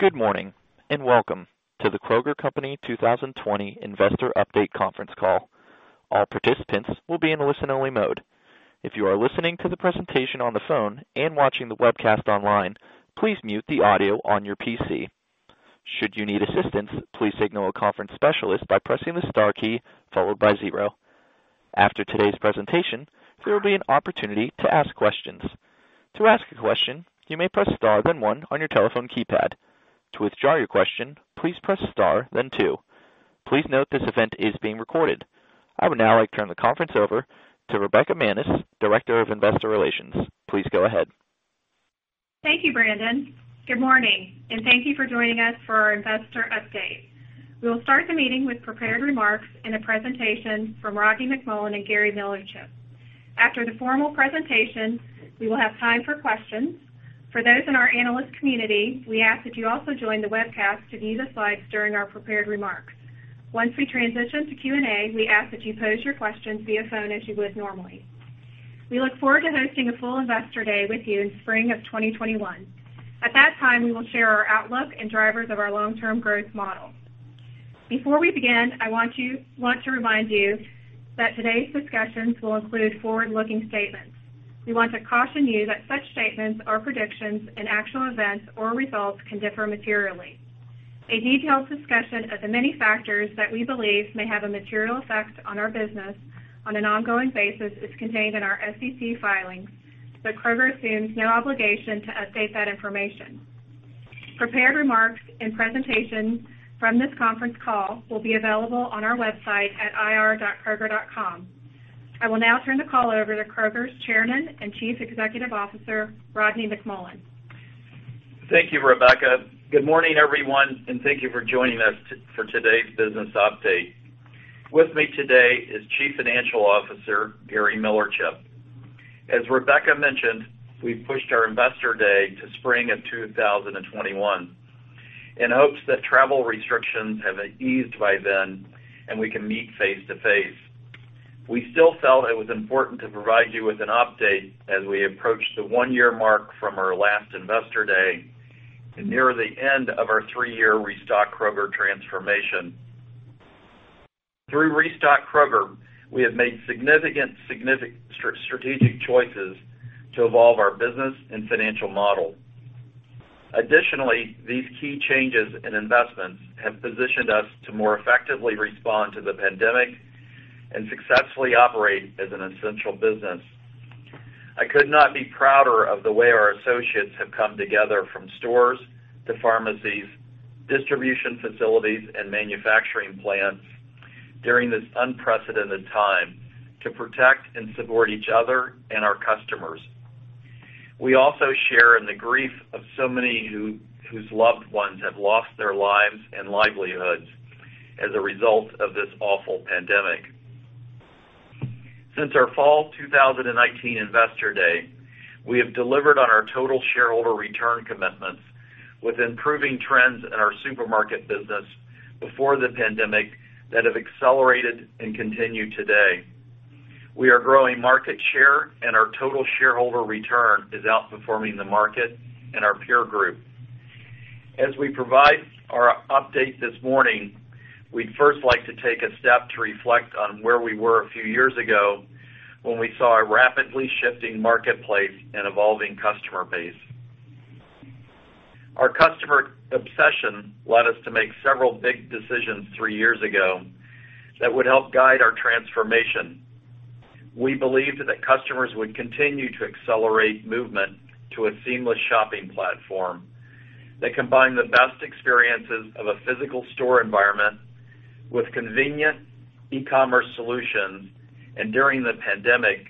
Good morning, and welcome to The Kroger Company 2020 Investor Update Conference Call. All participants will be in listen only mode. If you are listening to the presentation on the phone and watching the webcast online, please mute the audio on your PC. Should you need assistance, please signal a conference specialist by pressing the star key followed by zero. After today's presentation, there will be an opportunity to ask questions. To ask a question, you may press star then one on your telephone keypad. To withdraw your question, please press star then two. Please note this event is being recorded. I would now like to turn the conference over to Rebekah Manis, Director of Investor Relations. Please go ahead. Thank you, Brandon. Good morning, and thank you for joining us for our investor update. We'll start the meeting with prepared remarks and a presentation from Rodney McMullen and Gary Millerchip. After the formal presentation, we will have time for questions. For those in our analyst community, we ask that you also join the webcast to view the slides during our prepared remarks. Once we transition to Q&A, we ask that you pose your questions via phone as you would normally. We look forward to hosting a full investor day with you in spring of 2021. At that time, we will share our outlook and drivers of our long-term growth model. Before we begin, I want to remind you that today's discussions will include forward-looking statements. We want to caution you that such statements are predictions, and actual events or results can differ materially. A detailed discussion of the many factors that we believe may have a material effect on our business on an ongoing basis is contained in our SEC filings, but Kroger assumes no obligation to update that information. Prepared remarks and presentations from this conference call will be available on our website at ir.kroger.com. I will now turn the call over to Kroger's Chairman and Chief Executive Officer, Rodney McMullen. Thank you, Rebekah. Good morning, everyone, and thank you for joining us for today's business update. With me today is Chief Financial Officer, Gary Millerchip. As Rebekah mentioned, we've pushed our Investor Day to spring of 2021 in hopes that travel restrictions have eased by then and we can meet face-to-face. We still felt it was important to provide you with an update as we approach the one-year mark from our last Investor Day and near the end of our three-year Restock Kroger transformation. Through Restock Kroger, we have made significant strategic choices to evolve our business and financial model. Additionally, these key changes and investments have positioned us to more effectively respond to the pandemic and successfully operate as an essential business. I could not be prouder of the way our associates have come together from stores to pharmacies, distribution facilities, and manufacturing plants during this unprecedented time to protect and support each other and our customers. We also share in the grief of so many whose loved ones have lost their lives and livelihoods as a result of this awful pandemic. Since our fall 2019 Investor Day, we have delivered on our total shareholder return commitments with improving trends in our supermarket business before the pandemic that have accelerated and continue today. Our total shareholder return is outperforming the market and our peer group. As we provide our update this morning, we'd first like to take a step to reflect on where we were a few years ago when we saw a rapidly shifting marketplace and evolving customer base. Our customer obsession led us to make several big decisions three years ago that would help guide our transformation. We believed that customers would continue to accelerate movement to a seamless shopping platform that combined the best experiences of a physical store environment with convenient e-commerce solutions. During the pandemic,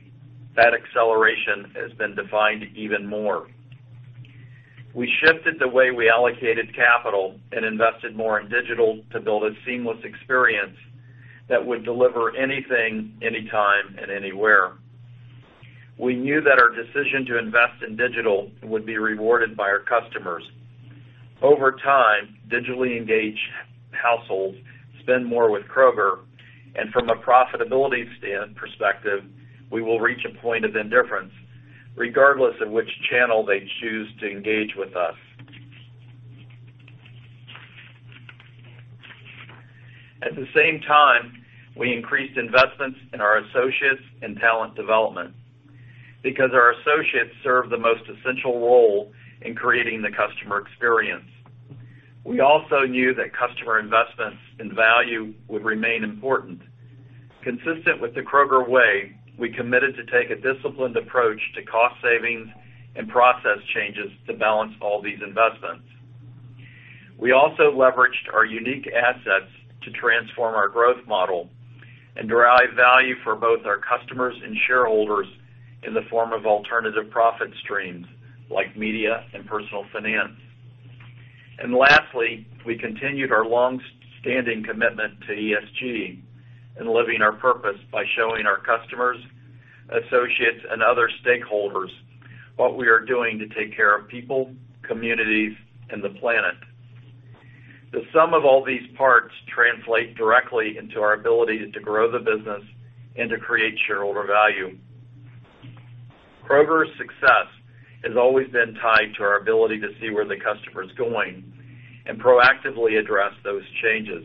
that acceleration has been defined even more. We shifted the way we allocated capital and invested more in digital to build a seamless experience that would deliver anything, anytime, and anywhere. We knew that our decision to invest in digital would be rewarded by our customers. Over time, digitally engaged households spend more with Kroger, and from a profitability perspective, we will reach a point of indifference regardless of which channel they choose to engage with us. At the same time, we increased investments in our associates and talent development because our associates serve the most essential role in creating the customer experience. We also knew that customer investments and value would remain important. Consistent with the Kroger Way, we committed to take a disciplined approach to cost savings and process changes to balance all these investments. We also leveraged our unique assets to transform our growth model and derive value for both our customers and shareholders in the form of alternative profit streams like Media and Personal Finance. Lastly, we continued our longstanding commitment to ESG and living our purpose by showing our customers, associates, and other stakeholders what we are doing to take care of people, communities, and the planet. The sum of all these parts translate directly into our ability to grow the business and to create shareholder value. Kroger's success has always been tied to our ability to see where the customer's going and proactively address those changes.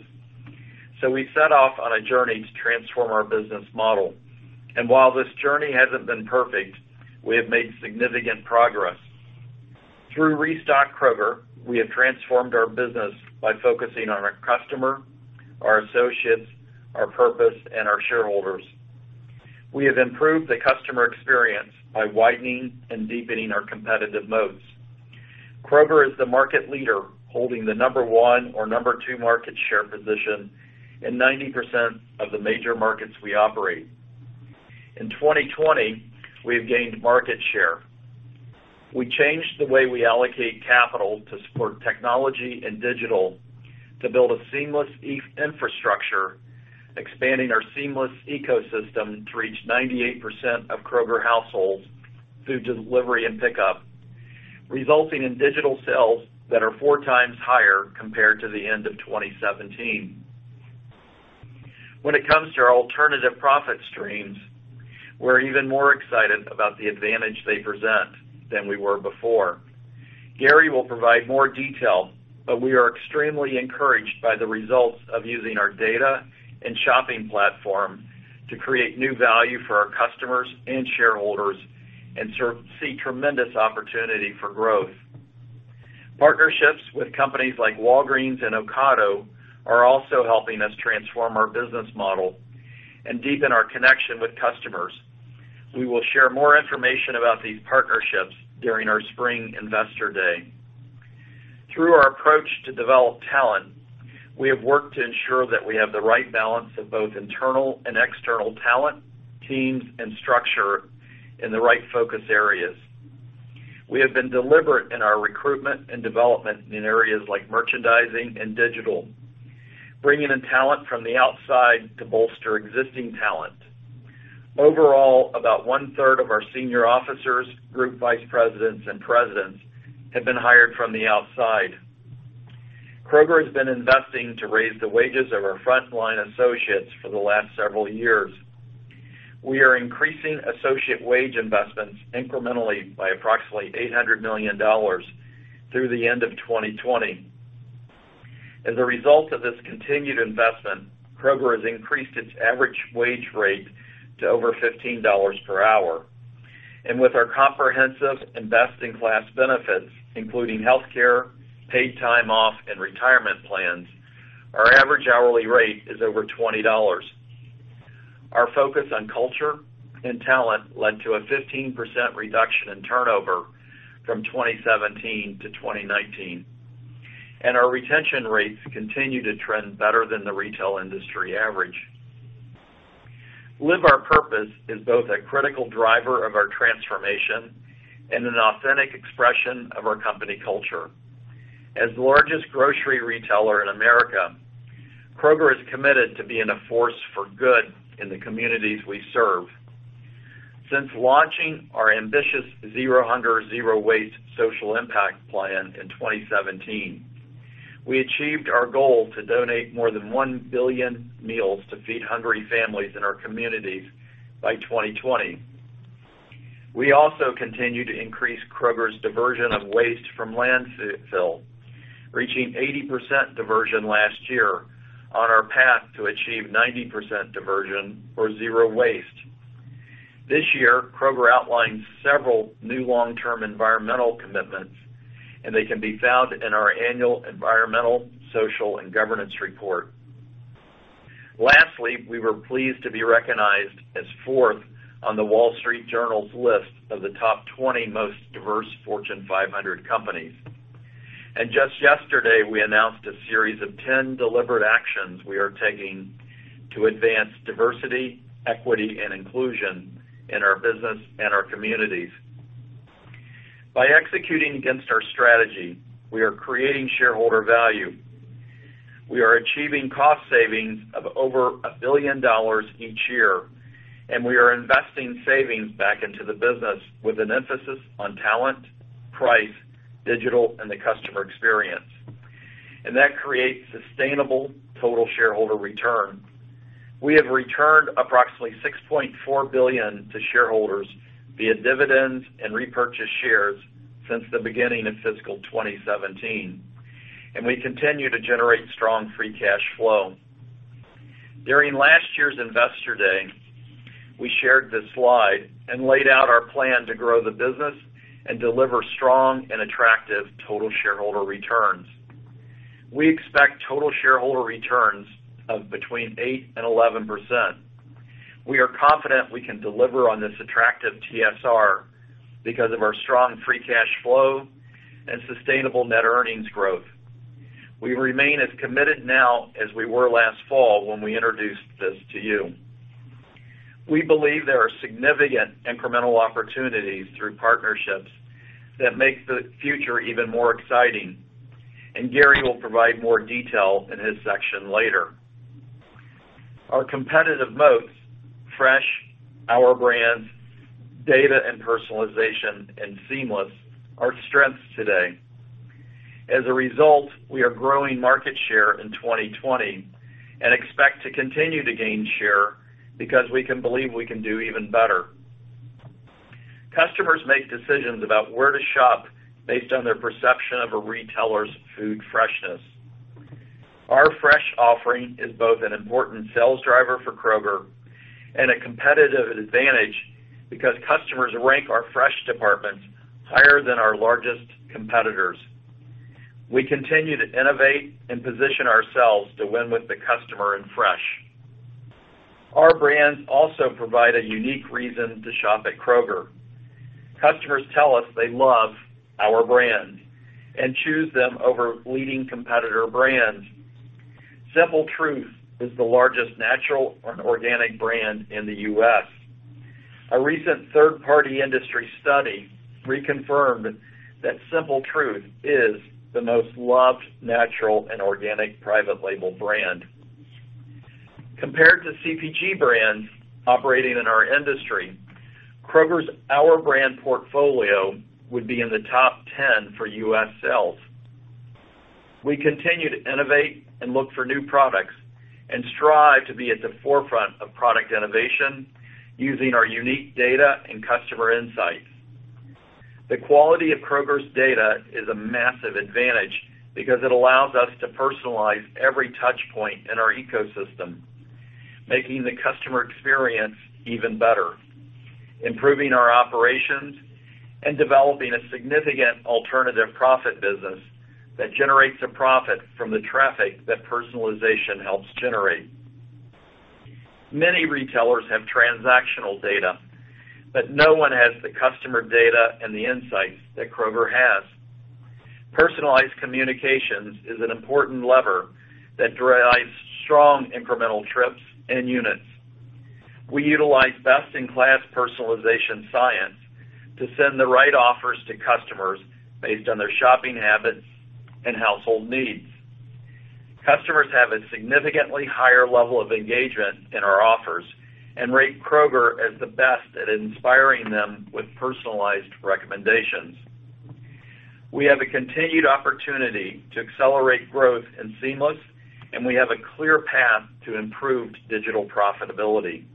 We set off on a journey to transform our business model, and while this journey hasn't been perfect, we have made significant progress. Through Restock Kroger, we have transformed our business by focusing on our customer, our associates, our purpose, and our shareholders. We have improved the customer experience by widening and deepening our competitive moats. Kroger is the market leader, holding the number one or number two market share position in 90% of the major markets we operate. In 2020, we have gained market share. We changed the way we allocate capital to support technology and digital to build a seamless infrastructure, expanding our seamless ecosystem to reach 98% of Kroger households through delivery and pickup, resulting in digital sales that are 4x higher compared to the end of 2017. When it comes to our alternative profit streams, we're even more excited about the advantage they present than we were before. Gary will provide more detail, we are extremely encouraged by the results of using our data and shopping platform to create new value for our customers and shareholders and see tremendous opportunity for growth. Partnerships with companies like Walgreens and Ocado are also helping us transform our business model and deepen our connection with customers. We will share more information about these partnerships during our spring Investor Day. Through our approach to develop talent, we have worked to ensure that we have the right balance of both internal and external talent, teams, and structure in the right focus areas. We have been deliberate in our recruitment and development in areas like merchandising and digital, bringing in talent from the outside to bolster existing talent. Overall, about one-third of our senior officers, group vice presidents, and presidents have been hired from the outside. Kroger has been investing to raise the wages of our frontline associates for the last several years. We are increasing associate wage investments incrementally by approximately $800 million through the end of 2020. As a result of this continued investment, Kroger has increased its average wage rate to over $15 per hour. With our comprehensive best-in-class benefits, including healthcare, paid time off, and retirement plans, our average hourly rate is over $20. Our focus on culture and talent led to a 15% reduction in turnover from 2017 to 2019, and our retention rates continue to trend better than the retail industry average. Live Our Purpose is both a critical driver of our transformation and an authentic expression of our company culture. As the largest grocery retailer in America, Kroger is committed to being a force for good in the communities we serve. Since launching our ambitious Zero Hunger | Zero Waste social impact plan in 2017, we achieved our goal to donate more than 1 billion meals to feed hungry families in our communities by 2020. We also continue to increase Kroger's diversion of waste from landfill, reaching 80% diversion last year on our path to achieve 90% diversion or zero waste. This year, Kroger outlined several new long-term environmental commitments, and they can be found in our annual environmental, social, and governance report. Lastly, we were pleased to be recognized as fourth on the Wall Street Journal's list of the top 20 most diverse Fortune 500 companies. Just yesterday, we announced a series of 10 deliberate actions we are taking to advance diversity, equity, and inclusion in our business and our communities. By executing against our strategy, we are creating shareholder value. We are achieving cost savings of over $1 billion each year, and we are investing savings back into the business with an emphasis on talent, price, digital, and the customer experience, and that creates sustainable total shareholder return. We have returned approximately $6.4 billion to shareholders via dividends and repurchase shares since the beginning of fiscal 2017, and we continue to generate strong free cash flow. During last year's investor day, we shared this slide and laid out our plan to grow the business and deliver strong and attractive total shareholder returns. We expect total shareholder returns of between 8% and 11%. We are confident we can deliver on this attractive TSR because of our strong free cash flow and sustainable net earnings growth. We remain as committed now as we were last fall when we introduced this to you. We believe there are significant incremental opportunities through partnerships that make the future even more exciting, and Gary will provide more detail in his section later. Our competitive moats, Fresh, Our Brands, Data and Personalization, and Seamless are strengths today. We are growing market share in 2020 and expect to continue to gain share because we believe we can do even better. Customers make decisions about where to shop based on their perception of a retailer's food freshness. Our fresh offering is both an important sales driver for Kroger and a competitive advantage because customers rank our fresh departments higher than our largest competitors. We continue to innovate and position ourselves to win with the customer in fresh. Our Brands also provide a unique reason to shop at Kroger. Customers tell us they love Our Brands and choose them over leading competitor brands. Simple Truth is the largest natural and organic brand in the U.S. A recent third-party industry study reconfirmed that Simple Truth is the most loved natural and organic private label brand. Compared to CPG brands operating in our industry, Kroger's Our Brands portfolio would be in the top 10 for U.S. sales. We continue to innovate and look for new products and strive to be at the forefront of product innovation using our unique data and customer insights. The quality of Kroger's data is a massive advantage because it allows us to personalize every touch point in our ecosystem, making the customer experience even better, improving our operations, and developing a significant alternative profit business that generates a profit from the traffic that personalization helps generate. Many retailers have transactional data, but no one has the customer data and the insights that Kroger has. Personalized communications is an important lever that drives strong incremental trips and units. We utilize best-in-class personalization science to send the right offers to customers based on their shopping habits and household needs. Customers have a significantly higher level of engagement in our offers and rate Kroger as the best at inspiring them with personalized recommendations. We have a continued opportunity to accelerate growth in Seamless, and we have a clear path to improved digital profitability.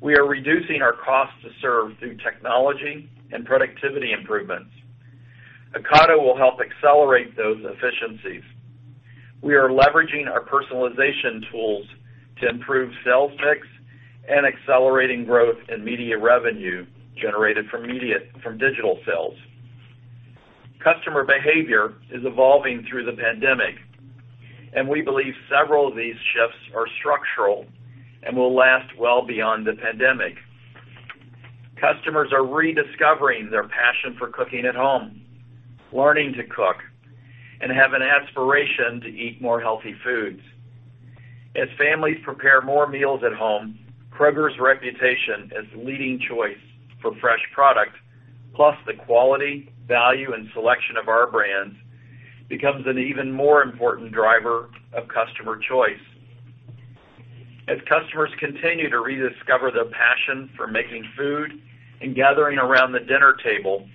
We are reducing our cost to serve through technology and productivity improvements. Ocado will help accelerate those efficiencies. We are leveraging our personalization tools to improve sales mix and accelerating growth in media revenue generated from digital sales. Customer behavior is evolving through the pandemic, and we believe several of these shifts are structural and will last well beyond the pandemic. Customers are rediscovering their passion for cooking at home, learning to cook, and have an aspiration to eat more healthy foods. As families prepare more meals at home, Kroger's reputation as the leading choice for fresh product, plus the quality, value, and selection of Our Brands, becomes an even more important driver of customer choice. As customers continue to rediscover their passion for making food and gathering around the dinner table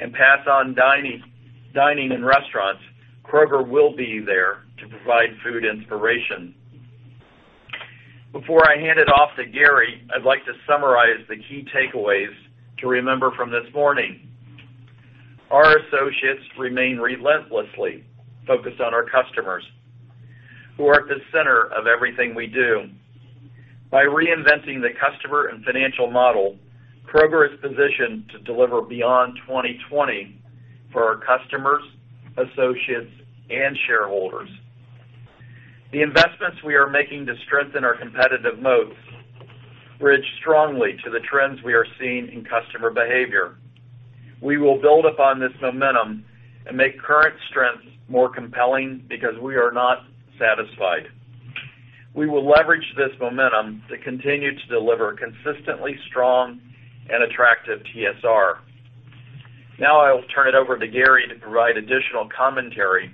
and pass on dining in restaurants, Kroger will be there to provide food inspiration. Before I hand it off to Gary, I'd like to summarize the key takeaways to remember from this morning. Our associates remain relentlessly focused on our customers, who are at the center of everything we do. By reinventing the customer and financial model, Kroger is positioned to deliver beyond 2020 for our customers, associates, and shareholders. The investments we are making to strengthen our competitive moats bridge strongly to the trends we are seeing in customer behavior. We will build upon this momentum and make current strengths more compelling because we are not satisfied. We will leverage this momentum to continue to deliver consistently strong and attractive TSR. Now I will turn it over to Gary to provide additional commentary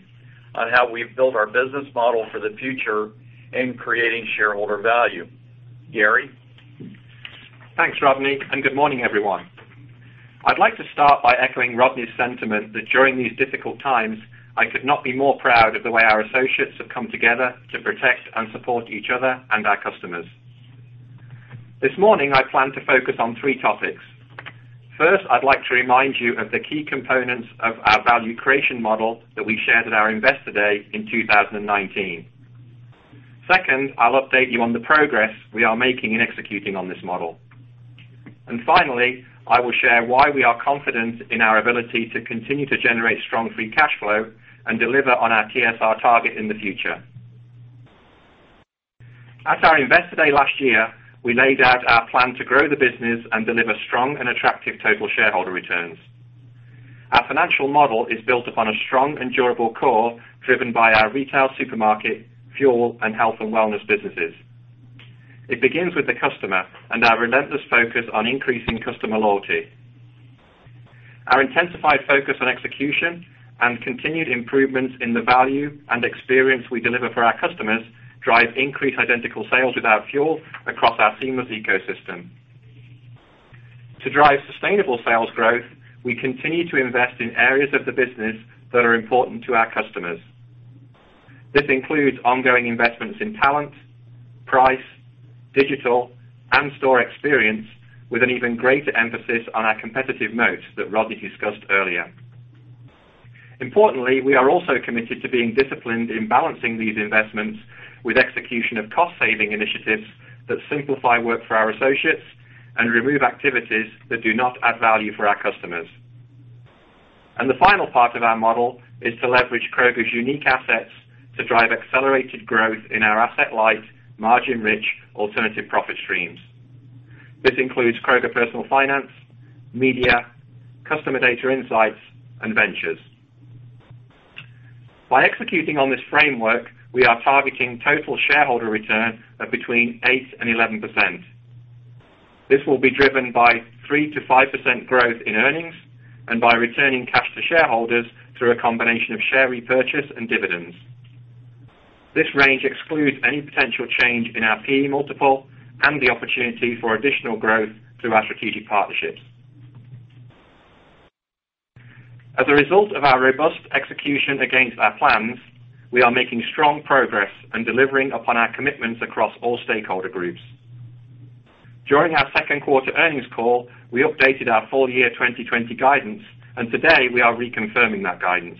on how we've built our business model for the future in creating shareholder value. Gary? Thanks, Rodney, and good morning, everyone. I'd like to start by echoing Rodney's sentiment that during these difficult times, I could not be more proud of the way our associates have come together to protect and support each other and our customers. This morning, I plan to focus on three topics. First, I'd like to remind you of the key components of our value creation model that we shared at our Investor Day in 2019. Second, I'll update you on the progress we are making in executing on this model. Finally, I will share why we are confident in our ability to continue to generate strong free cash flow and deliver on our TSR target in the future. At our Investor Day last year, we laid out our plan to grow the business and deliver strong and attractive total shareholder returns. Our financial model is built upon a strong and durable core driven by our retail supermarket, fuel, and health and wellness businesses. It begins with the customer and our relentless focus on increasing customer loyalty. Our intensified focus on execution and continued improvements in the value and experience we deliver for our customers drive increased identical sales without fuel across our seamless ecosystem. To drive sustainable sales growth, we continue to invest in areas of the business that are important to our customers. This includes ongoing investments in talent, price, digital, and store experience, with an even greater emphasis on our competitive moat that Rodney discussed earlier. Importantly, we are also committed to being disciplined in balancing these investments with execution of cost-saving initiatives that simplify work for our associates and remove activities that do not add value for our customers. The final part of our model is to leverage Kroger's unique assets to drive accelerated growth in our asset-light, margin-rich alternative profit streams. This includes Kroger Personal Finance, Media, Customer Data Insights, and Ventures. By executing on this framework, we are targeting total shareholder return of between 8% and 11%. This will be driven by 3%-5% growth in earnings and by returning cash to shareholders through a combination of share repurchase and dividends. This range excludes any potential change in our P/E multiple and the opportunity for additional growth through our strategic partnerships. A result of our robust execution against our plans, we are making strong progress and delivering upon our commitments across all stakeholder groups. During our second quarter earnings call, we updated our full year 2020 guidance, and today we are reconfirming that guidance.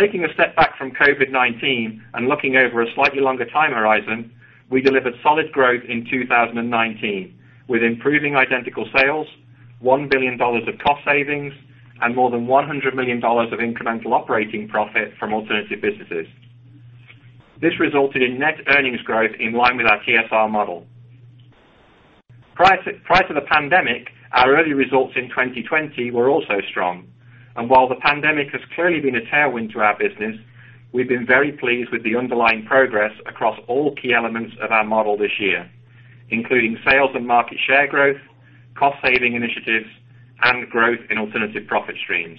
Taking a step back from COVID-19 and looking over a slightly longer time horizon, we delivered solid growth in 2019 with improving identical sales, $1 billion of cost savings, and more than $100 million of incremental operating profit from alternative businesses. This resulted in net earnings growth in line with our TSR model. Prior to the pandemic, our early results in 2020 were also strong. While the pandemic has clearly been a tailwind to our business, we've been very pleased with the underlying progress across all key elements of our model this year, including sales and market share growth, cost-saving initiatives, and growth in alternative profit streams.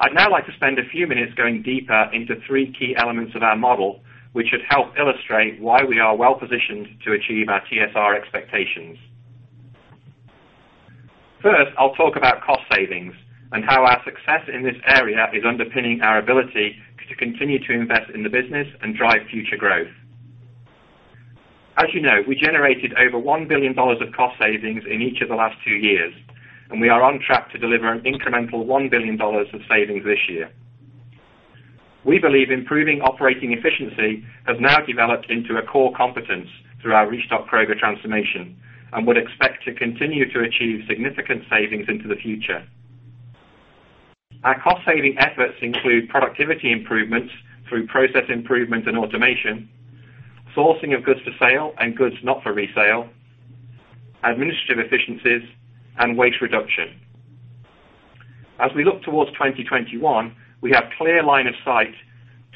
I'd now like to spend a few minutes going deeper into three key elements of our model, which should help illustrate why we are well-positioned to achieve our TSR expectations. First, I'll talk about cost savings and how our success in this area is underpinning our ability to continue to invest in the business and drive future growth. As you know, we generated over $1 billion of cost savings in each of the last two years, and we are on track to deliver an incremental $1 billion of savings this year. We believe improving operating efficiency has now developed into a core competence through our Restock Kroger transformation and would expect to continue to achieve significant savings into the future. Our cost-saving efforts include productivity improvements through process improvement and automation, sourcing of goods for sale and goods not for resale, administrative efficiencies, and waste reduction. As we look towards 2021, we have clear line of sight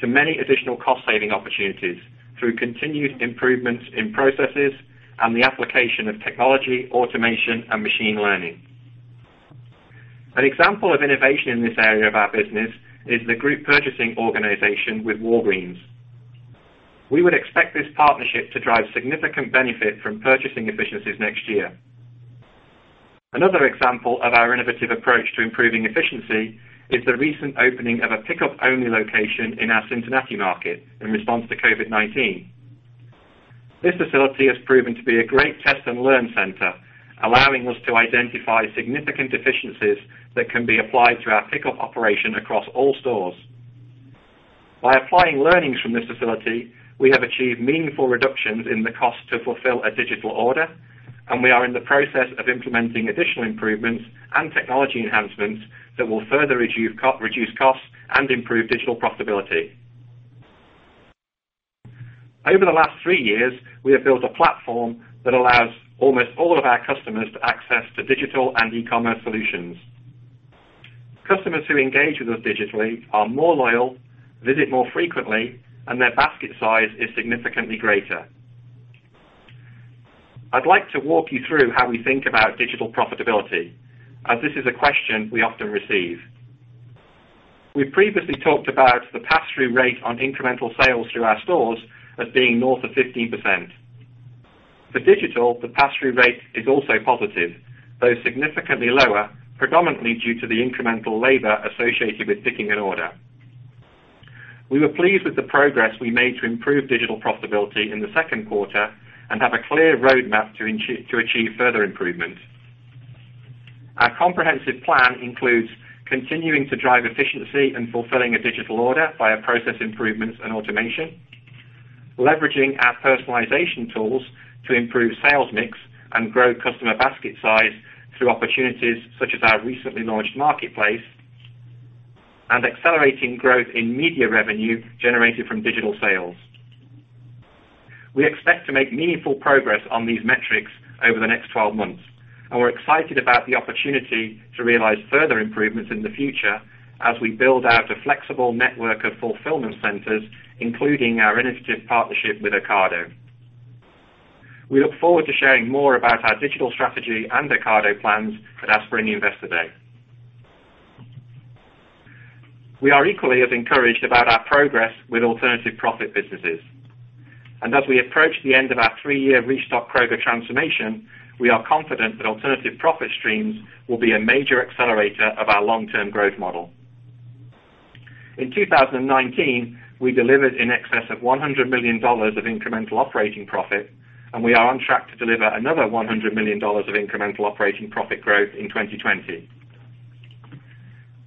to many additional cost-saving opportunities through continued improvements in processes and the application of technology, automation, and machine learning. An example of innovation in this area of our business is the group purchasing organization with Walgreens. We would expect this partnership to drive significant benefit from purchasing efficiencies next year. Another example of our innovative approach to improving efficiency is the recent opening of a pickup-only location in our Cincinnati market in response to COVID-19. This facility has proven to be a great test and learn center, allowing us to identify significant efficiencies that can be applied to our pickup operation across all stores. By applying learnings from this facility, we have achieved meaningful reductions in the cost to fulfill a digital order, and we are in the process of implementing additional improvements and technology enhancements that will further reduce costs and improve digital profitability. Over the last three years, we have built a platform that allows almost all of our customers to access to digital and e-commerce solutions. Customers who engage with us digitally are more loyal, visit more frequently, and their basket size is significantly greater. I'd like to walk you through how we think about digital profitability, as this is a question we often receive. We previously talked about the pass-through rate on incremental sales through our stores as being north of 15%. For digital, the pass-through rate is also positive, though significantly lower, predominantly due to the incremental labor associated with picking an order. We were pleased with the progress we made to improve digital profitability in the second quarter and have a clear roadmap to achieve further improvement. Our comprehensive plan includes continuing to drive efficiency and fulfilling a digital order via process improvements and automation, leveraging our personalization tools to improve sales mix and grow customer basket size through opportunities such as our recently launched marketplace, and accelerating growth in media revenue generated from digital sales. We expect to make meaningful progress on these metrics over the next 12 months. We're excited about the opportunity to realize further improvements in the future as we build out a flexible network of fulfillment centers, including our innovative partnership with Ocado. We look forward to sharing more about our digital strategy and Ocado plans at our spring Investor Day. We are equally as encouraged about our progress with alternative profit businesses. As we approach the end of our three-year Restock Kroger transformation, we are confident that alternative profit streams will be a major accelerator of our long-term growth model. In 2019, we delivered in excess of $100 million of incremental operating profit, and we are on track to deliver another $100 million of incremental operating profit growth in 2020.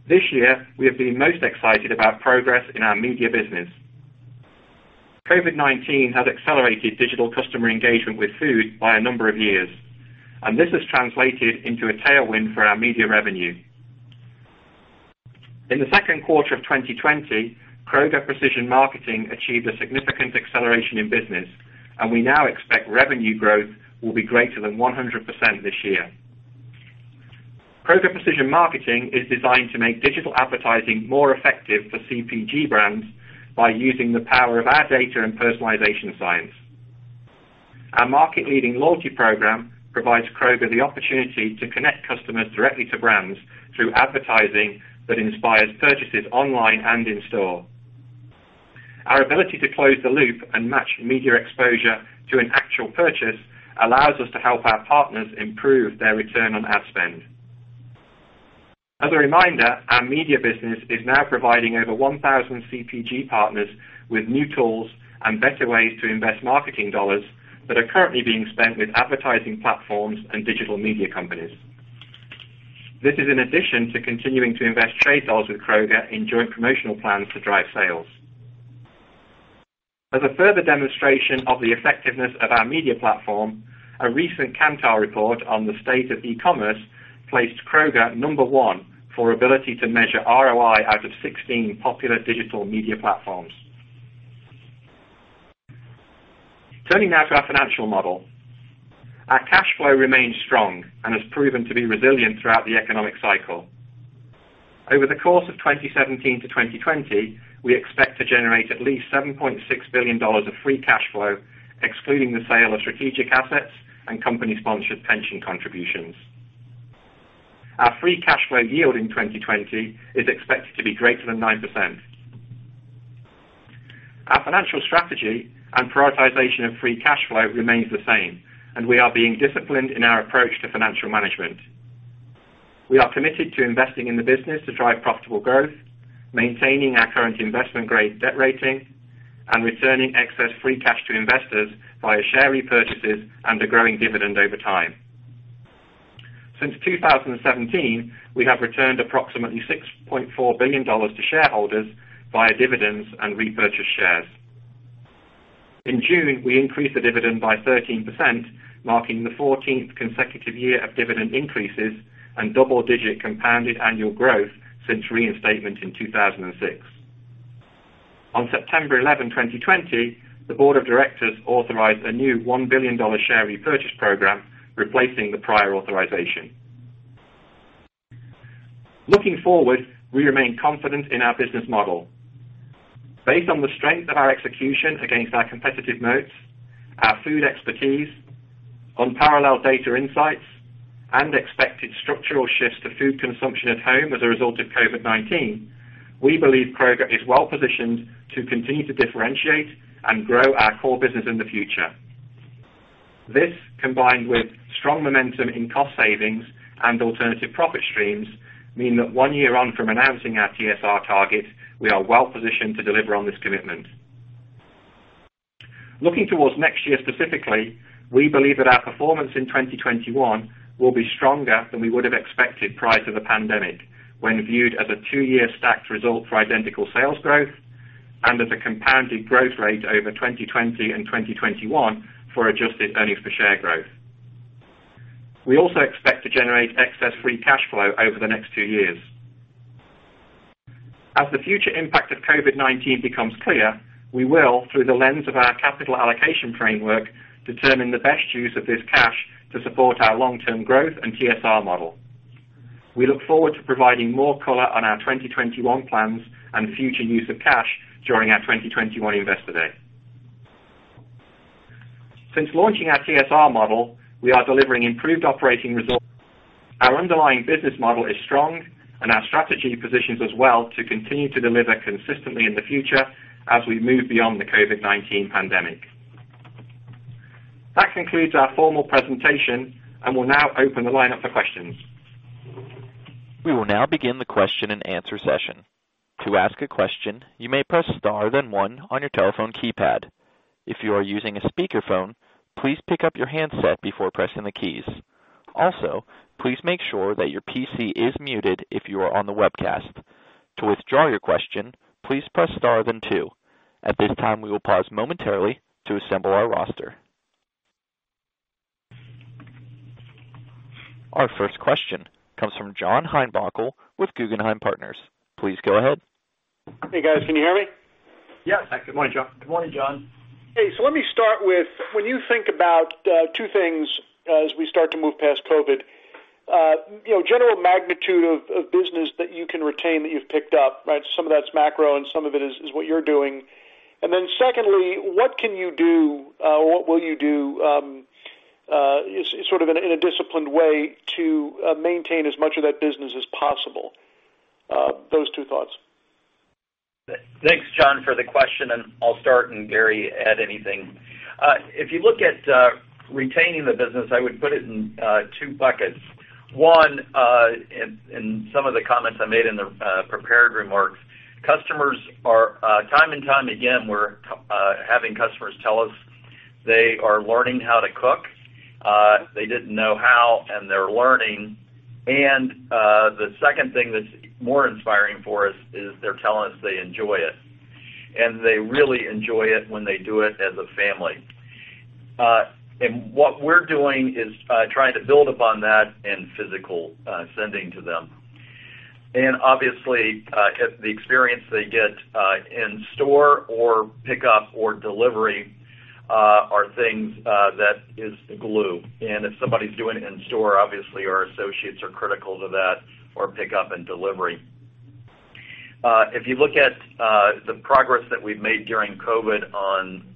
This year, we have been most excited about progress in our media business. COVID-19 has accelerated digital customer engagement with food by a number of years, and this has translated into a tailwind for our media revenue. In the second quarter of 2020, Kroger Precision Marketing achieved a significant acceleration in business, and we now expect revenue growth will be greater than 100% this year. Kroger Precision Marketing is designed to make digital advertising more effective for CPG brands by using the power of our data and personalization science. Our market leading loyalty program provides Kroger the opportunity to connect customers directly to brands through advertising that inspires purchases online and in store. Our ability to close the loop and match media exposure to an actual purchase allows us to help our partners improve their return on ad spend. As a reminder, our media business is now providing over 1,000 CPG partners with new tools and better ways to invest marketing dollars that are currently being spent with advertising platforms and digital media companies. This is in addition to continuing to invest trade dollars with Kroger in joint promotional plans to drive sales. As a further demonstration of the effectiveness of our media platform, a recent Kantar report on the state of e-commerce placed Kroger number one for ability to measure ROI out of 16 popular digital media platforms. Turning now to our financial model. Our cash flow remains strong and has proven to be resilient throughout the economic cycle. Over the course of 2017 to 2020, we expect to generate at least $7.6 billion of free cash flow, excluding the sale of strategic assets and company sponsored pension contributions. Our free cash flow yield in 2020 is expected to be greater than 9%. Our financial strategy and prioritization of free cash flow remains the same, and we are being disciplined in our approach to financial management. We are committed to investing in the business to drive profitable growth, maintaining our current investment-grade debt rating, and returning excess free cash to investors via share repurchases and a growing dividend over time. Since 2017, we have returned approximately $6.4 billion to shareholders via dividends and repurchase shares. In June, we increased the dividend by 13%, marking the 14th consecutive year of dividend increases and double-digit compounded annual growth since reinstatement in 2006. On September 11, 2020, the board of directors authorized a new $1 billion share repurchase program, replacing the prior authorization. Looking forward, we remain confident in our business model. Based on the strength of our execution against our competitive moats, our food expertise, unparalleled data insights, and expected structural shifts to food consumption at home as a result of COVID-19, we believe Kroger is well-positioned to continue to differentiate and grow our core business in the future. This, combined with strong momentum in cost savings and alternative profit streams, mean that one year on from announcing our TSR target, we are well positioned to deliver on this commitment. Looking towards next year specifically, we believe that our performance in 2021 will be stronger than we would have expected prior to the pandemic, when viewed as a two-year stacked result for identical sales growth and as a compounded growth rate over 2020 and 2021 for adjusted earnings per share growth. We also expect to generate excess free cash flow over the next two years. As the future impact of COVID-19 becomes clear, we will, through the lens of our capital allocation framework, determine the best use of this cash to support our long-term growth and TSR model. We look forward to providing more color on our 2021 plans and future use of cash during our 2021 Investor Day. Since launching our TSR model, we are delivering improved operating results. Our underlying business model is strong and our strategy positions us well to continue to deliver consistently in the future as we move beyond the COVID-19 pandemic. That concludes our formal presentation, and we'll now open the line up for questions. We will now begin the question and answer session. To ask a question, you may press star then one on your telephone keypad. If you are using a speakerphone, please pick up your handset before pressing the keys. Also, please make sure that your PC is muted if you are on the webcast. To withdraw your question, please press star then two. At this time, we will pause momentarily to assemble our roster. Our first question comes from John Heinbockel with Guggenheim Partners. Please go ahead. Hey, guys. Can you hear me? Yeah. Good morning, John. Good morning, John. Hey, let me start with, when you think about two things as we start to move past COVID, general magnitude of business that you can retain that you've picked up, right? Some of that's macro and some of it is what you're doing. Secondly, what can you do, what will you do, in a disciplined way to maintain as much of that business as possible? Those two thoughts. Thanks, John, for the question. I'll start, and Gary, add anything. If you look at retaining the business, I would put it in two buckets. One, in some of the comments I made in the prepared remarks, time and time again, we're having customers tell us they are learning how to cook. They didn't know how. They're learning. The second thing that's more inspiring for us is they're telling us they enjoy it. They really enjoy it when they do it as a family. What we're doing is trying to build upon that in physical sending to them. Obviously, the experience they get in store or pickup or delivery are things that is the glue. If somebody's doing it in store, obviously our associates are critical to that, or pickup and delivery. If you look at the progress that we've made during COVID-19 on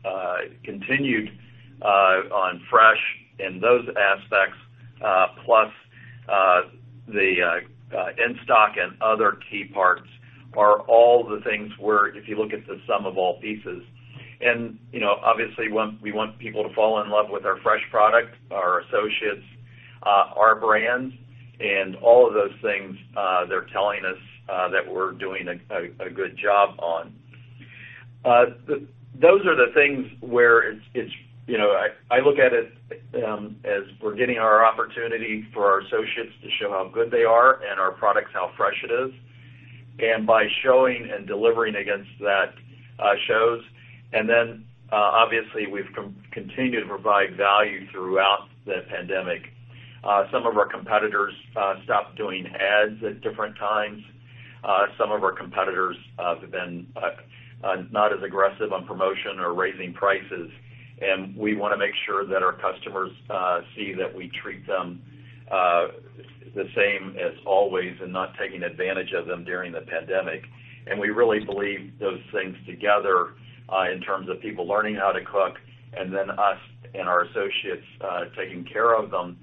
continued on fresh and those aspects, plus the in-stock and other key parts are all the things where, if you look at the sum of all pieces. Obviously, we want people to fall in love with our fresh product, our associates, Our Brands, and all of those things they're telling us that we're doing a good job on. Those are the things where I look at it as we're getting our opportunity for our associates to show how good they are and our products, how fresh it is. By showing and delivering against that shows. Then obviously, we've continued to provide value throughout the pandemic. Some of our competitors stopped doing ads at different times. Some of our competitors have been not as aggressive on promotion or raising prices, and we want to make sure that our customers see that we treat them the same as always and not taking advantage of them during the pandemic. We really believe those things together in terms of people learning how to cook and then us and our associates taking care of them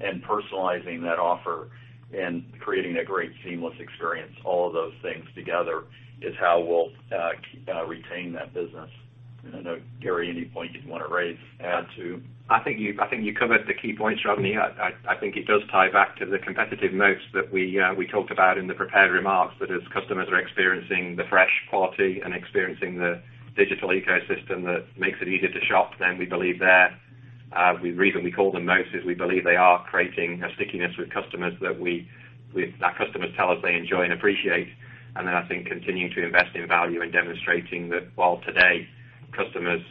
and personalizing that offer and creating a great seamless experience. All of those things together is how we'll retain that business. I know, Gary, any point you'd want to raise, add to? I think you covered the key points, Rodney. I think it does tie back to the competitive moats that we talked about in the prepared remarks. As customers are experiencing the fresh quality and experiencing the digital ecosystem that makes it easier to shop, then we believe the reason we call them moats is we believe they are creating a stickiness with customers that customers tell us they enjoy and appreciate. I think continuing to invest in value and demonstrating that while today customers,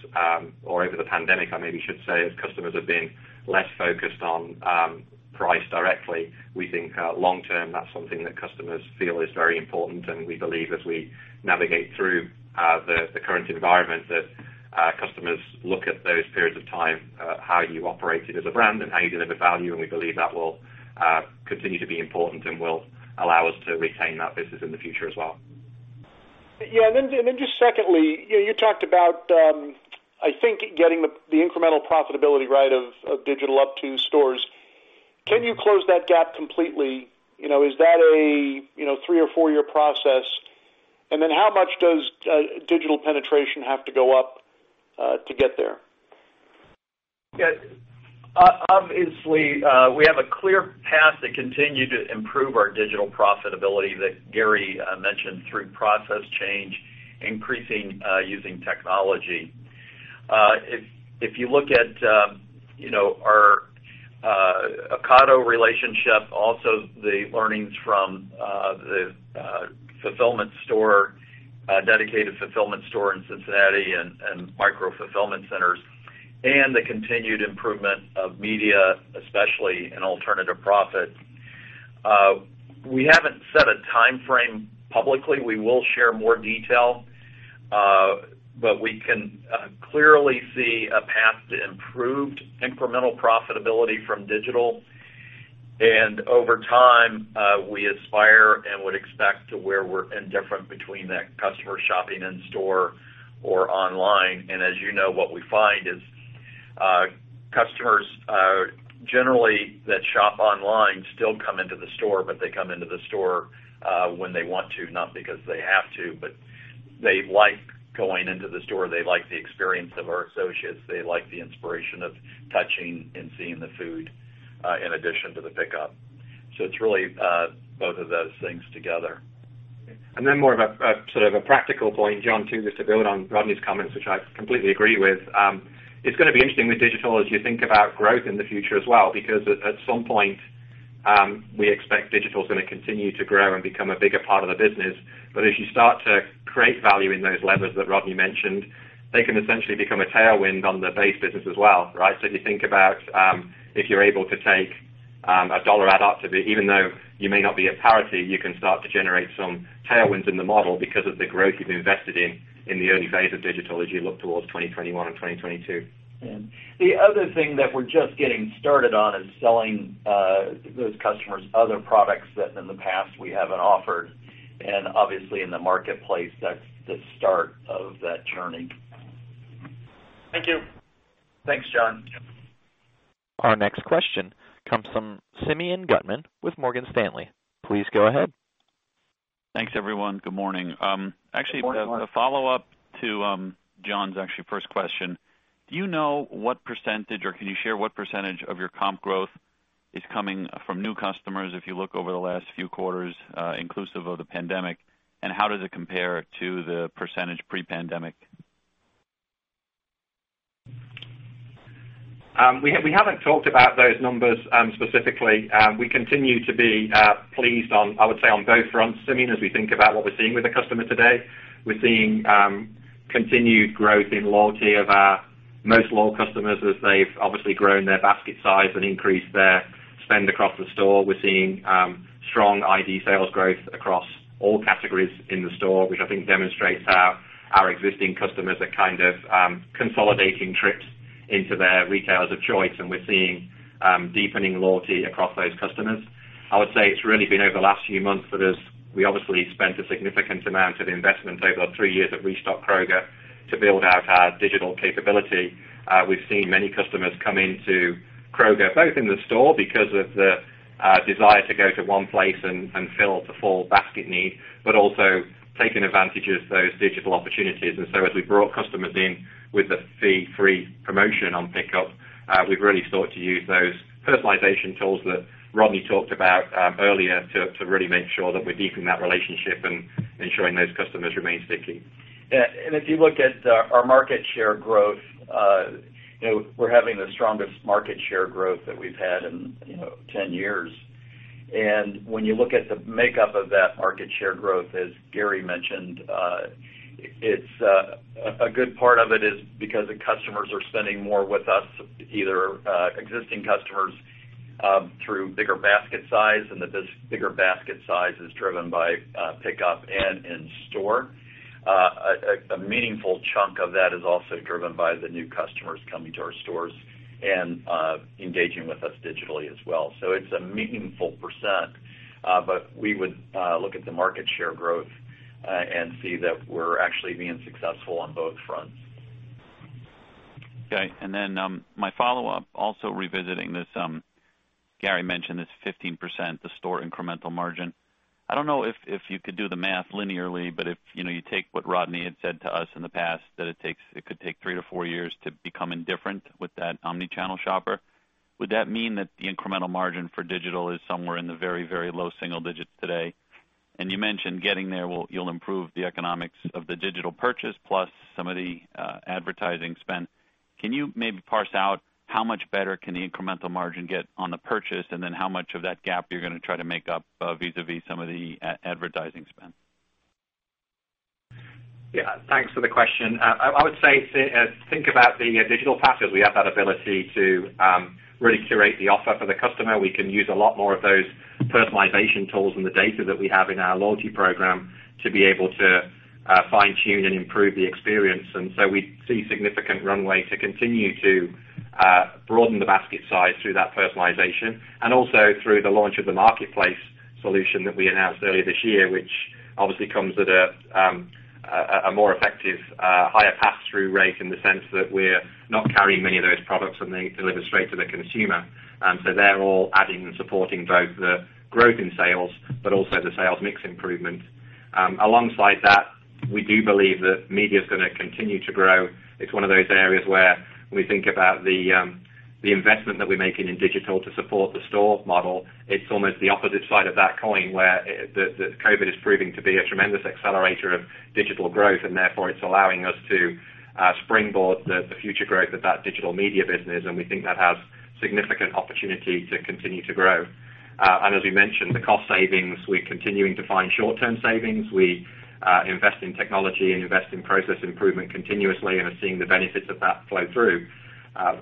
or over the pandemic, I maybe should say, as customers have been less focused on price directly, we think long term, that's something that customers feel is very important. We believe as we navigate through the current environment, that customers look at those periods of time, how you operated as a brand and how you deliver value, and we believe that will continue to be important and will allow us to retain that business in the future as well. Yeah. Just secondly, you talked about, I think, getting the incremental profitability right of digital up to stores. Can you close that gap completely? Is that a three or four year process? How much does digital penetration have to go up to get there? Obviously, we have a clear path to continue to improve our digital profitability that Gary mentioned through process change, increasing using technology. If you look at our Ocado relationship, also the learnings from the dedicated fulfillment store in Cincinnati and micro-fulfillment centers and the continued improvement of media, especially in alternative profit. We haven't set a timeframe publicly. We will share more detail. We can clearly see a path to improved incremental profitability from digital. Over time, we aspire and would expect to where we're indifferent between that customer shopping in store or online. As you know, what we find is customers generally that shop online still come into the store, but they come into the store when they want to, not because they have to, but they like going into the store. They like the experience of our associates. They like the inspiration of touching and seeing the food in addition to the pickup. It's really both of those things together. More of a practical point, John, too, just to build on Rodney's comments, which I completely agree with. It's going to be interesting with digital as you think about growth in the future as well, because at some point, we expect digital is going to continue to grow and become a bigger part of the business. As you start to create value in those levers that Rodney mentioned, they can essentially become a tailwind on the base business as well. Right? If you think about if you're able to take a dollar add up, even though you may not be at parity, you can start to generate some tailwinds in the model because of the growth you've invested in the early phase of digital as you look towards 2021 and 2022. Yeah. The other thing that we're just getting started on is selling those customers other products that in the past we haven't offered. Obviously in the marketplace, that's the start of that journey. Thank you. Thanks, John. Our next question comes from Simeon Gutman with Morgan Stanley. Please go ahead. Thanks, everyone. Good morning. Good morning. Actually, a follow-up to John's actually first question. Do you know what percentage, or can you share what percentage of your comp growth is coming from new customers if you look over the last few quarters, inclusive of the pandemic, and how does it compare to the percentage pre-pandemic? We haven't talked about those numbers specifically. We continue to be pleased, I would say on both fronts, Simeon, as we think about what we're seeing with the customer today. We're seeing continued growth in loyalty of our most loyal customers as they've obviously grown their basket size and increased their spend across the store. We're seeing strong ID sales growth across all categories in the store, which I think demonstrates how our existing customers are kind of consolidating trips into their retailers of choice, and we're seeing deepening loyalty across those customers. I would say it's really been over the last few months that as we obviously spent a significant amount of investment over three years at Restock Kroger to build out our digital capability. We've seen many customers come into Kroger, both in the store because of the desire to go to one place and fill the full basket need, but also taking advantage of those digital opportunities. As we brought customers in with the fee-free promotion on pickup, we've really sought to use those personalization tools that Rodney talked about earlier to really make sure that we're deepening that relationship and ensuring those customers remain sticky. If you look at our market share growth, we're having the strongest market share growth that we've had in 10 years. When you look at the makeup of that market share growth, as Gary mentioned, a good part of it is because the customers are spending more with us, either existing customers through bigger basket size and that this bigger basket size is driven by pickup and in store. A meaningful chunk of that is also driven by the new customers coming to our stores and engaging with us digitally as well. It's a meaningful percent. We would look at the market share growth, and see that we're actually being successful on both fronts. Okay, my follow-up, also revisiting this, Gary mentioned this 15%, the store incremental margin. I don't know if you could do the math linearly, but if you take what Rodney had said to us in the past, that it could take three to four years to become indifferent with that omni-channel shopper, would that mean that the incremental margin for digital is somewhere in the very low single digits today? You mentioned getting there, you'll improve the economics of the digital purchase, plus some of the advertising spend. Can you maybe parse out how much better can the incremental margin get on the purchase, and then how much of that gap you're going to try to make up vis-a-vis some of the advertising spend? Yeah, thanks for the question. I would say, think about the digital path as we have that ability to really curate the offer for the customer. We can use a lot more of those personalization tools and the data that we have in our loyalty program to be able to fine-tune and improve the experience. We see significant runway to continue to broaden the basket size through that personalization, and also through the launch of the marketplace solution that we announced earlier this year, which obviously comes at a more effective, higher pass-through rate in the sense that we're not carrying many of those products and they deliver straight to the consumer. They're all adding and supporting both the growth in sales, but also the sales mix improvement. Alongside that, we do believe that media's going to continue to grow. It's one of those areas where when we think about the investment that we're making in digital to support the store model, it's almost the opposite side of that coin where the COVID-19 is proving to be a tremendous accelerator of digital growth, and therefore it's allowing us to springboard the future growth of that digital media business, and we think that has significant opportunity to continue to grow. As we mentioned, the cost savings, we're continuing to find short-term savings. We invest in technology and invest in process improvement continuously and are seeing the benefits of that flow through.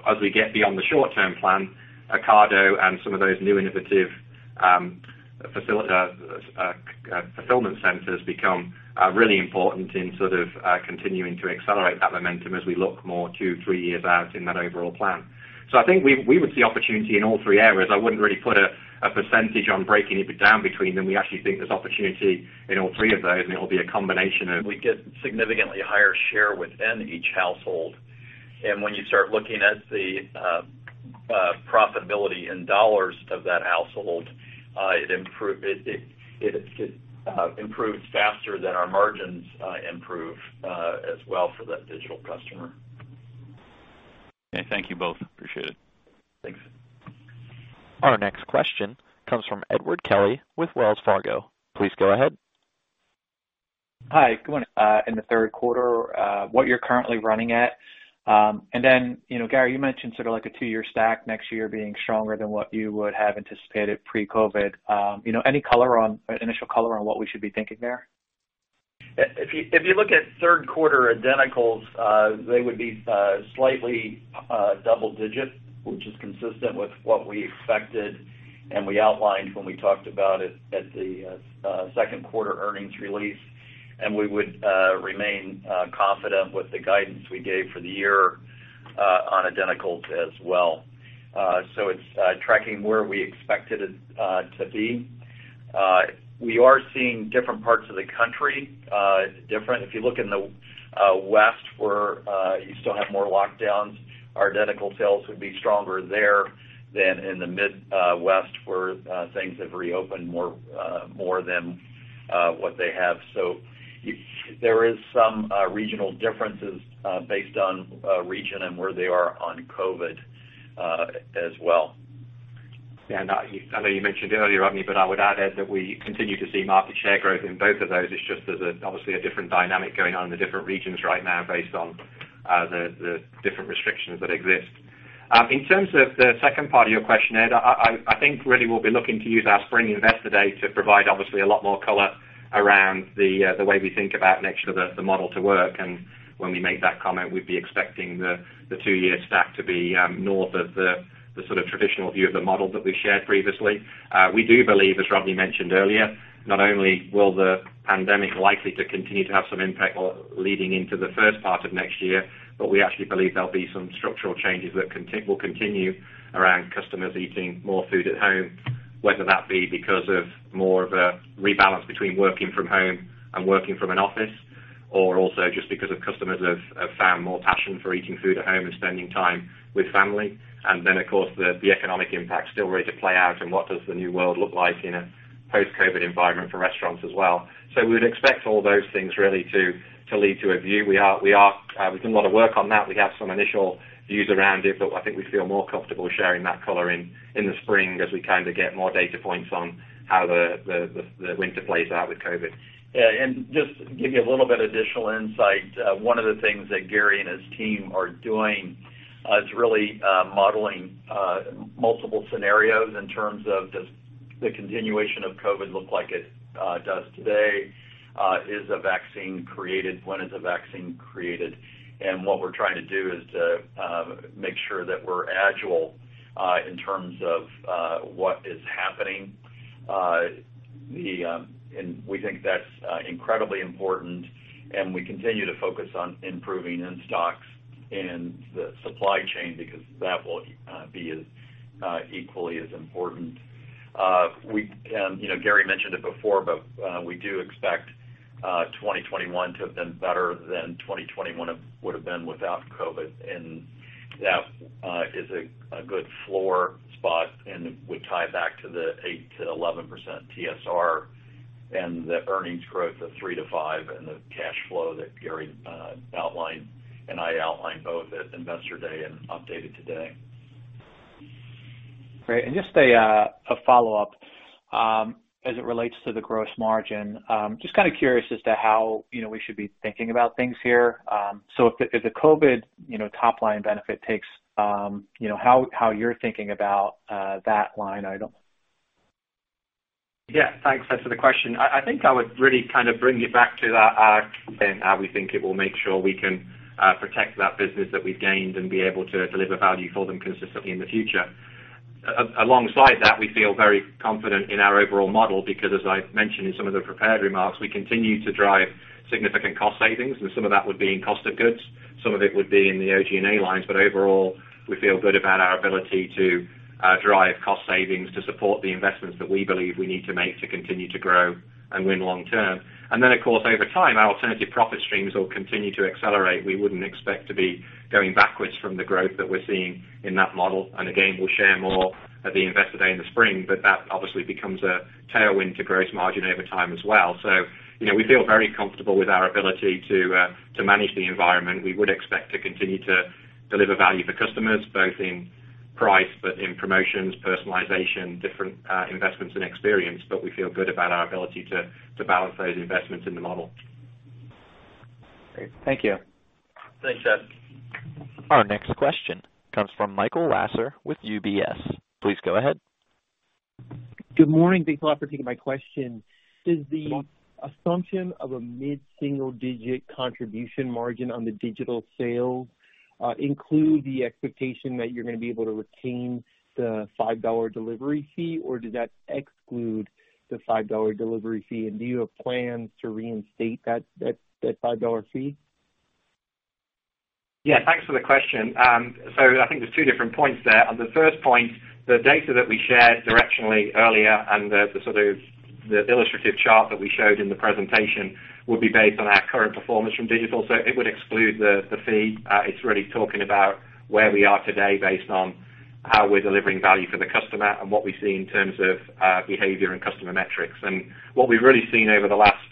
As we get beyond the short-term plan, Ocado and some of those new innovative fulfillment centers become really important in sort of continuing to accelerate that momentum as we look more two, three years out in that overall plan. I think we would see opportunity in all three areas. I wouldn't really put a percentage on breaking it down between them. We actually think there's opportunity in all three of those, and it'll be a combination of. We get significantly higher share within each household. When you start looking at the profitability in dollars of that household, it improves faster than our margins improve as well for that digital customer. Thank you both. Appreciate it. Thanks. Our next question comes from Edward Kelly with Wells Fargo. Please go ahead. In the third quarter, what you're currently running at? Gary, you mentioned sort of like a two-year stack next year being stronger than what you would have anticipated pre-COVID. Any initial color on what we should be thinking there? If you look at third quarter identicals, they would be slightly double digit, which is consistent with what we expected and we outlined when we talked about it at the second quarter earnings release, and we would remain confident with the guidance we gave for the year. On identicals as well. It's tracking where we expect it to be. We are seeing different parts of the country different. If you look in the West, where you still have more lockdowns, our identical sales would be stronger there than in the Midwest, where things have reopened more than what they have. There is some regional differences based on region and where they are on COVID as well. Yeah. I know you mentioned earlier, Rodney, but I would add, Ed, that we continue to see market share growth in both of those. It's just there's obviously a different dynamic going on in the different regions right now based on the different restrictions that exist. In terms of the second part of your question, Ed, I think really we'll be looking to use our spring Investor Day to provide obviously a lot more color around the way we think about next year, the model to work. When we make that comment, we'd be expecting the two-year stack to be north of the sort of traditional view of the model that we've shared previously. We do believe, as Rodney mentioned earlier, not only will the pandemic likely to continue to have some impact leading into the first part of next year, but we actually believe there will be some structural changes that will continue around customers eating more food at home, whether that be because of more of a rebalance between working from home and working from an office or also just because customers have found more passion for eating food at home and spending time with family. Of course, the economic impact still ready to play out and what does the new world look like in a post-COVID environment for restaurants as well. We'd expect all those things really to lead to a view. We've done a lot of work on that. We have some initial views around it, but I think we feel more comfortable sharing that color in the spring as we kind of get more data points on how the winter plays out with COVID. Yeah, just to give you a little bit of additional insight, one of the things that Gary and his team are doing is really modeling multiple scenarios in terms of does the continuation of COVID look like it does today? Is a vaccine created? When is a vaccine created? What we're trying to do is to make sure that we're agile in terms of what is happening. We think that's incredibly important, and we continue to focus on improving in-stocks in the supply chain because that will be as equally as important. Gary mentioned it before, but we do expect 2021 to have been better than 2021 would've been without COVID, and that is a good floor spot and would tie back to the 8%-11% TSR and the earnings growth of 3%-5% and the cash flow that Gary outlined and I outlined both at Investor Day and updated today. Great. Just a follow-up, as it relates to the gross margin, just kind of curious as to how we should be thinking about things here. If the COVID top-line benefit, how you're thinking about that line item. Yeah. Thanks, Ed, for the question. I think I would really kind of bring it back to our and how we think it will make sure we can protect that business that we've gained and be able to deliver value for them consistently in the future. Alongside that, we feel very confident in our overall model because, as I mentioned in some of the prepared remarks, we continue to drive significant cost savings, and some of that would be in cost of goods, some of it would be in the OG&A lines. Overall, we feel good about our ability to drive cost savings to support the investments that we believe we need to make to continue to grow and win long term. Of course, over time, our alternative profit streams will continue to accelerate. We wouldn't expect to be going backwards from the growth that we're seeing in that model. Again, we'll share more at the Investor Day in the spring, but that obviously becomes a tailwind to gross margin over time as well. We feel very comfortable with our ability to manage the environment. We would expect to continue to deliver value for customers, both in price, but in promotions, personalization, different investments in experience. We feel good about our ability to balance those investments in the model. Great. Thank you. Thanks, Ed. Our next question comes from Michael Lasser with UBS. Please go ahead. Good morning. Thanks a lot for taking my question. Does the assumption of a mid-single-digit contribution margin on the digital sales include the expectation that you're going to be able to retain the $5 delivery fee or does that exclude the $5 delivery fee? Do you have plans to reinstate that $5 fee? Yeah. Thanks for the question. I think there's two different points there. On the first point, the data that we shared directionally earlier and the sort of the illustrative chart that we showed in the presentation would be based on our current performance from digital. It would exclude the fee. It's really talking about where we are today based on how we're delivering value for the customer and what we see in terms of behavior and customer metrics. What we've really seen over the last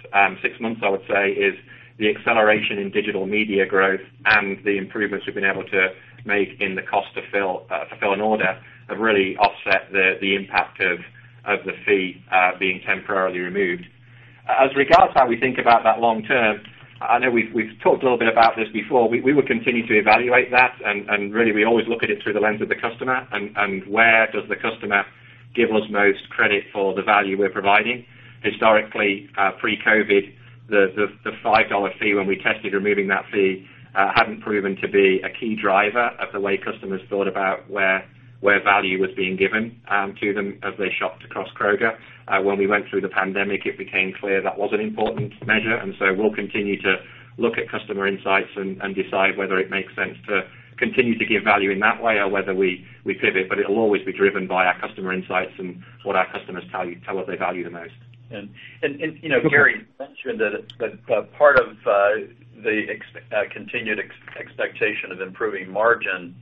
six months, I would say, is the acceleration in digital media growth and the improvements we've been able to make in the cost to fill an order have really offset the impact of the fee being temporarily removed. As regards how we think about that long term, I know we've talked a little bit about this before. We will continue to evaluate that, and really, we always look at it through the lens of the customer and where does the customer give us most credit for the value we're providing. Historically, pre-COVID, the $5 fee, when we tested removing that fee, hadn't proven to be a key driver of the way customers thought about where value was being given to them as they shopped across Kroger. When we went through the pandemic, it became clear that was an important measure, and so we'll continue to look at customer insights and decide whether it makes sense to continue to give value in that way or whether we pivot. It'll always be driven by our customer insights and what our customers tell us they value the most. Gary mentioned that part of the continued expectation of improving margins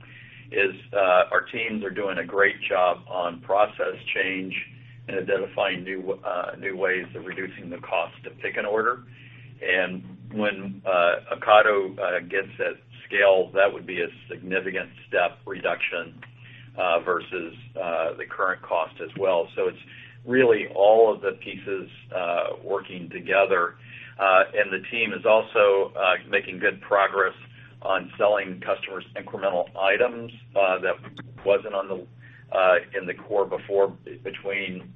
is our teams are doing a great job on process change and identifying new ways of reducing the cost to pick an order. When Ocado gets at scale, that would be a significant step reduction versus the current cost as well. It's really all of the pieces working together. The team is also making good progress on selling customers incremental items that wasn't in the core before, between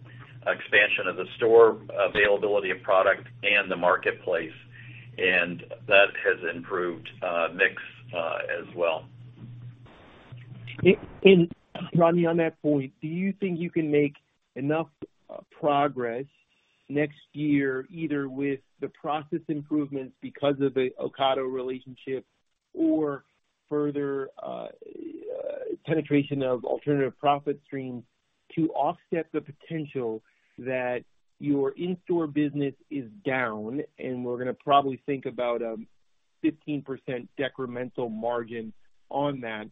expansion of the store, availability of product, and the marketplace, and that has improved mix as well. Rodney, on that point, do you think you can make enough progress next year, either with the process improvements because of the Ocado relationship or further penetration of alternative profit streams to offset the potential that your in-store business is down, and we're going to probably think about a 15% decremental margin on that,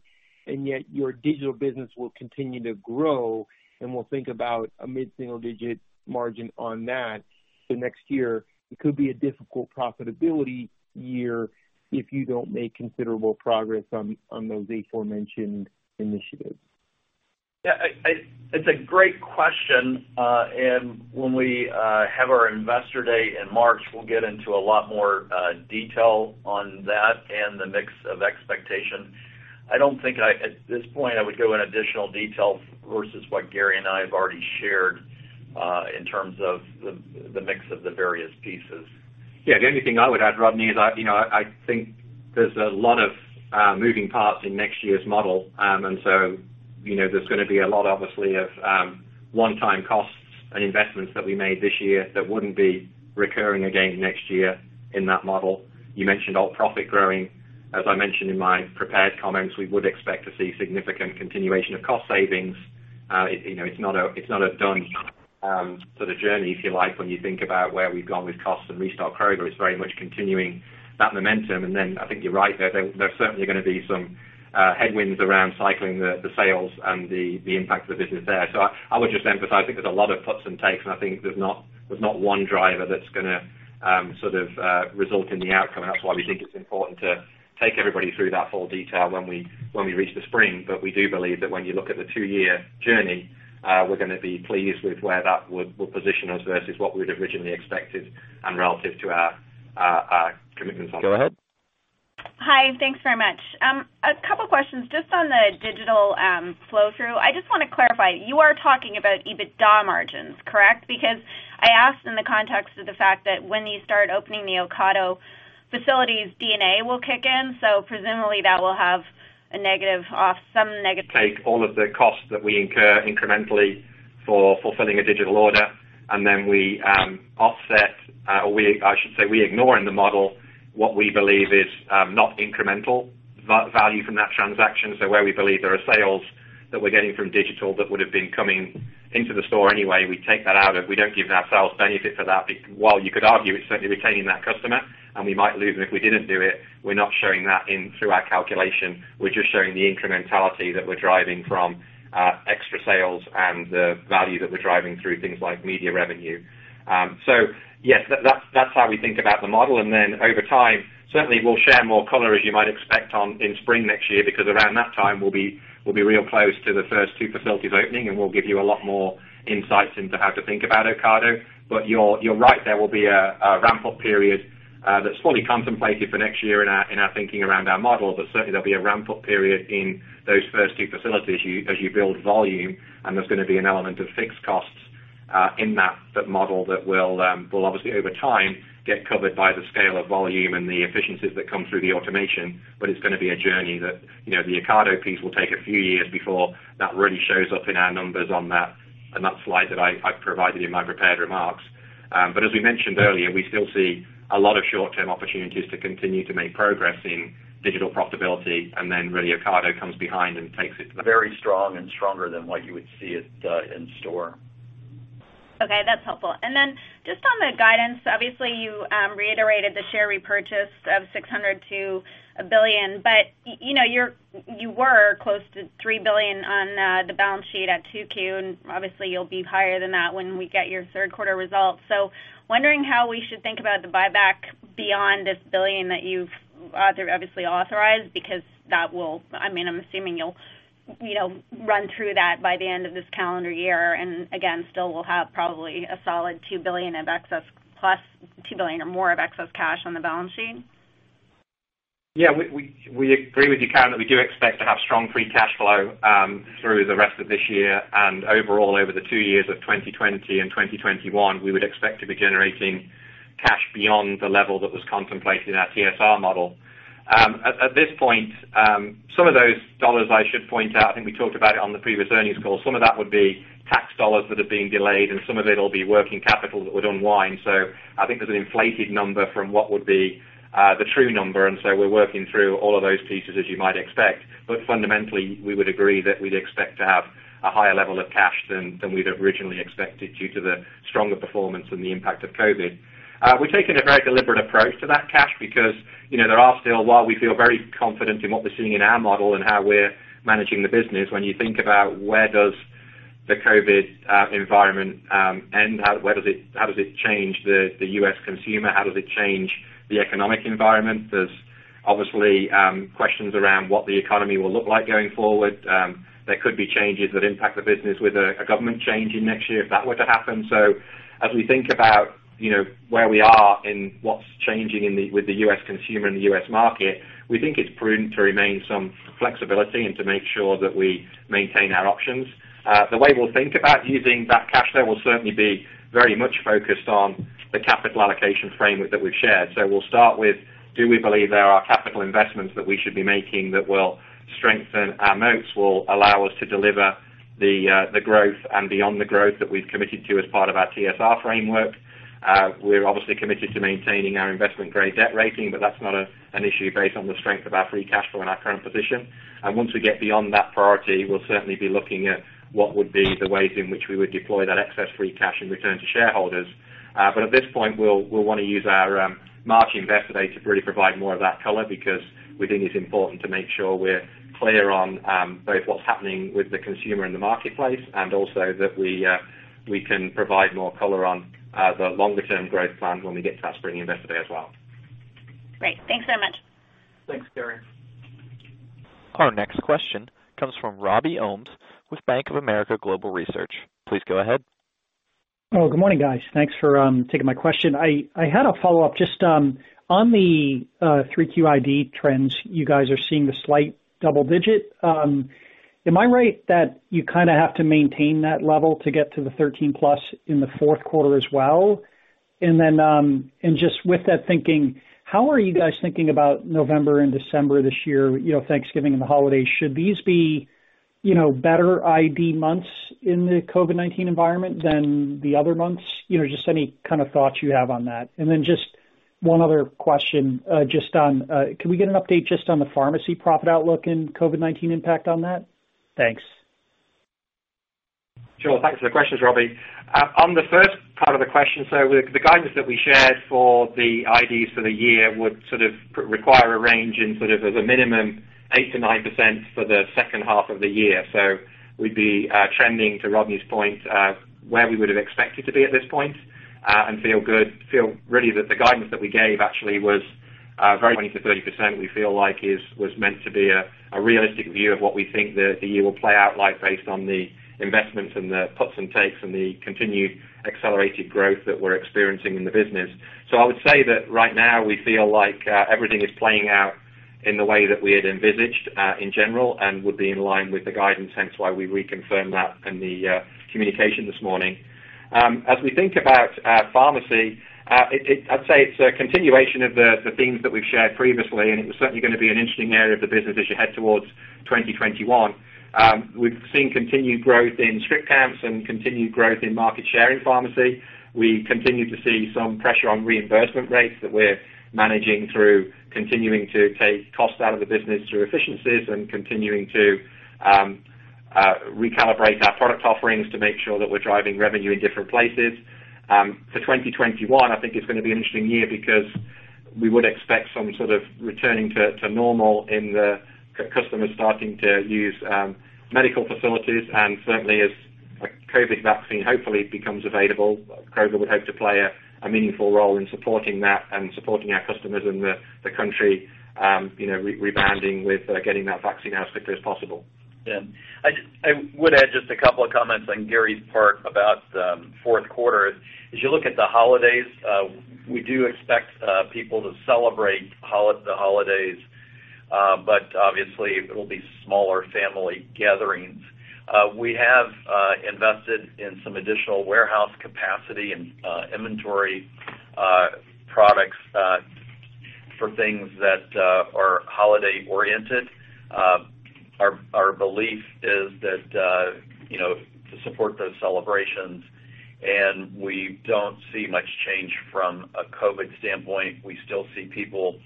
and yet your digital business will continue to grow, and we'll think about a mid-single-digit margin on that. Next year, it could be a difficult profitability year if you don't make considerable progress on those aforementioned initiatives. Yeah. It's a great question. When we have our Investor Day in March, we'll get into a lot more detail on that and the mix of expectation. I don't think, at this point, I would go in additional detail versus what Gary and I have already shared, in terms of the mix of the various pieces. Yeah. The only thing I would add, Rodney, is I think there's a lot of moving parts in next year's model. There's going to be a lot, obviously, of one-time costs and investments that we made this year that wouldn't be recurring again next year in that model. You mentioned alt profit growing. As I mentioned in my prepared comments, we would expect to see significant continuation of cost savings. It's not a done sort of journey, if you like, when you think about where we've gone with cost and Restock Kroger. It's very much continuing that momentum. I think you're right. There's certainly going to be some headwinds around cycling the sales and the impact of the business there. I would just emphasize, I think there's a lot of puts and takes, and I think there's not one driver that's going to sort of result in the outcome. That's why we think it's important to take everybody through that full detail when we reach the spring. We do believe that when you look at the two-year journey, we're going to be pleased with where that will position us versus what we'd originally expected and relative to our commitments. Go ahead. Hi. Thanks very much. A couple questions just on the digital flow through. I just want to clarify, you are talking about EBITDA margins, correct? I asked in the context of the fact that when you start opening the Ocado facilities, D&A will kick in. Take all of the costs that we incur incrementally for fulfilling a digital order, then we offset, or I should say, we ignore in the model what we believe is not incremental value from that transaction. Where we believe there are sales that we're getting from digital that would have been coming into the store anyway, we take that out, and we don't give ourselves benefit for that. While you could argue it's certainly retaining that customer, and we might lose them if we didn't do it, we're not showing that in through our calculation. We're just showing the incrementality that we're driving from extra sales and the value that we're driving through things like media revenue. Yes, that's how we think about the model. Then over time, certainly, we'll share more color, as you might expect, in spring next year, because around that time, we'll be real close to the first two facilities opening, and we'll give you a lot more insights into how to think about Ocado. You're right, there will be a ramp-up period that's fully contemplated for next year in our thinking around our model. Certainly, there'll be a ramp-up period in those first two facilities as you build volume, and there's going to be an element of fixed costs in that model that will obviously, over time, get covered by the scale of volume and the efficiencies that come through the automation. It's going to be a journey that the Ocado piece will take a few years before that really shows up in our numbers on that slide that I provided in my prepared remarks. As we mentioned earlier, we still see a lot of short-term opportunities to continue to make progress in digital profitability, and then really Ocado comes behind and takes it. Very strong and stronger than what you would see in store. Okay, that's helpful. Just on the guidance, obviously, you reiterated the share repurchase of $600 million-$1 billion, but you were close to $3 billion on the balance sheet at 2Q, and obviously, you'll be higher than that when we get your third quarter results. Wondering how we should think about the buyback beyond this $1 billion that you've obviously authorized, because I'm assuming you'll run through that by the end of this calendar year and again, still will have probably a solid $2 billion of excess +$2 billion or more of excess cash on the balance sheet. We agree with you, Karen. We do expect to have strong free cash flow through the rest of this year and overall over the two years of 2020 and 2021, we would expect to be generating cash beyond the level that was contemplated in our TSR model. At this point, some of those dollars, I should point out, I think we talked about it on the previous earnings call. Some of that would be tax dollars that are being delayed, and some of it will be working capital that would unwind. I think there's an inflated number from what would be the true number, we're working through all of those pieces, as you might expect. Fundamentally, we would agree that we'd expect to have a higher level of cash than we'd originally expected due to the stronger performance and the impact of COVID. We're taking a very deliberate approach to that cash because there are still, while we feel very confident in what we're seeing in our model and how we're managing the business, when you think about where does the COVID environment end, how does it change the U.S. consumer? How does it change the economic environment? There's obviously questions around what the economy will look like going forward. There could be changes that impact the business with a government change in next year if that were to happen. As we think about where we are and what's changing with the U.S. consumer and the U.S. market, we think it's prudent to remain some flexibility and to make sure that we maintain our options. The way we'll think about using that cash there will certainly be very much focused on the capital allocation framework that we've shared. We'll start with, do we believe there are capital investments that we should be making that will strengthen our moats, will allow us to deliver the growth and beyond the growth that we've committed to as part of our TSR framework? We're obviously committed to maintaining our investment-grade debt rating, but that's not an issue based on the strength of our free cash flow and our current position. Once we get beyond that priority, we'll certainly be looking at what would be the ways in which we would deploy that excess free cash and return to shareholders. At this point, we'll want to use our March Investor Day to really provide more of that color, because we think it's important to make sure we're clear on both what's happening with the consumer in the marketplace and also that we can provide more color on the longer-term growth plans when we get to that spring Investor Day as well. Great. Thanks so much. Thanks, Karen. Our next question comes from Robbie Ohmes with Bank of America Global Research. Please go ahead. Good morning, guys. Thanks for taking my question. I had a follow-up just on the 3Q ID trends. You guys are seeing the slight double digit. Am I right that you kind of have to maintain that level to get to the 13+ in the fourth quarter as well? Just with that thinking, how are you guys thinking about November and December this year, Thanksgiving and the holidays? Should these be better ID months in the COVID-19 environment than the other months? Just any kind of thoughts you have on that. Just one other question. Can we get an update just on the pharmacy profit outlook and COVID-19 impact on that? Thanks. Sure. Thanks for the questions, Robbie. On the first part of the question, the guidance that we shared for the IDs for the year would sort of require a range in sort of as a minimum 8%-9% for the second half of the year. We'd be trending, to Rodney's point, where we would have expected to be at this point and feel really that the guidance that we gave actually was very 20%-30% we feel like was meant to be a realistic view of what we think the year will play out like based on the investments and the puts and takes and the continued accelerated growth that we're experiencing in the business. I would say that right now we feel like everything is playing out in the way that we had envisaged, in general, and would be in line with the guidance, hence why we reconfirmed that in the communication this morning. As we think about pharmacy, I'd say it's a continuation of the themes that we've shared previously, and it was certainly going to be an interesting area of the business as you head towards 2021. We've seen continued growth in script counts and continued growth in market share in pharmacy. We continue to see some pressure on reimbursement rates that we're managing through continuing to take cost out of the business through efficiencies and continuing to recalibrate our product offerings to make sure that we're driving revenue in different places. For 2021, I think it's going to be an interesting year because we would expect some sort of returning to normal in the customers starting to use medical facilities. Certainly as a COVID vaccine hopefully becomes available, Kroger would hope to play a meaningful role in supporting that and supporting our customers and the country rebounding with getting that vaccine out as quickly as possible. I would add just a couple of comments on Gary's part about fourth quarter. As you look at the holidays, we do expect people to celebrate the holidays, but obviously it'll be smaller family gatherings. We have invested in some additional warehouse capacity and inventory products for things that are holiday-oriented. Our belief is that to support those celebrations. We don't see much change from a COVID standpoint. We still see people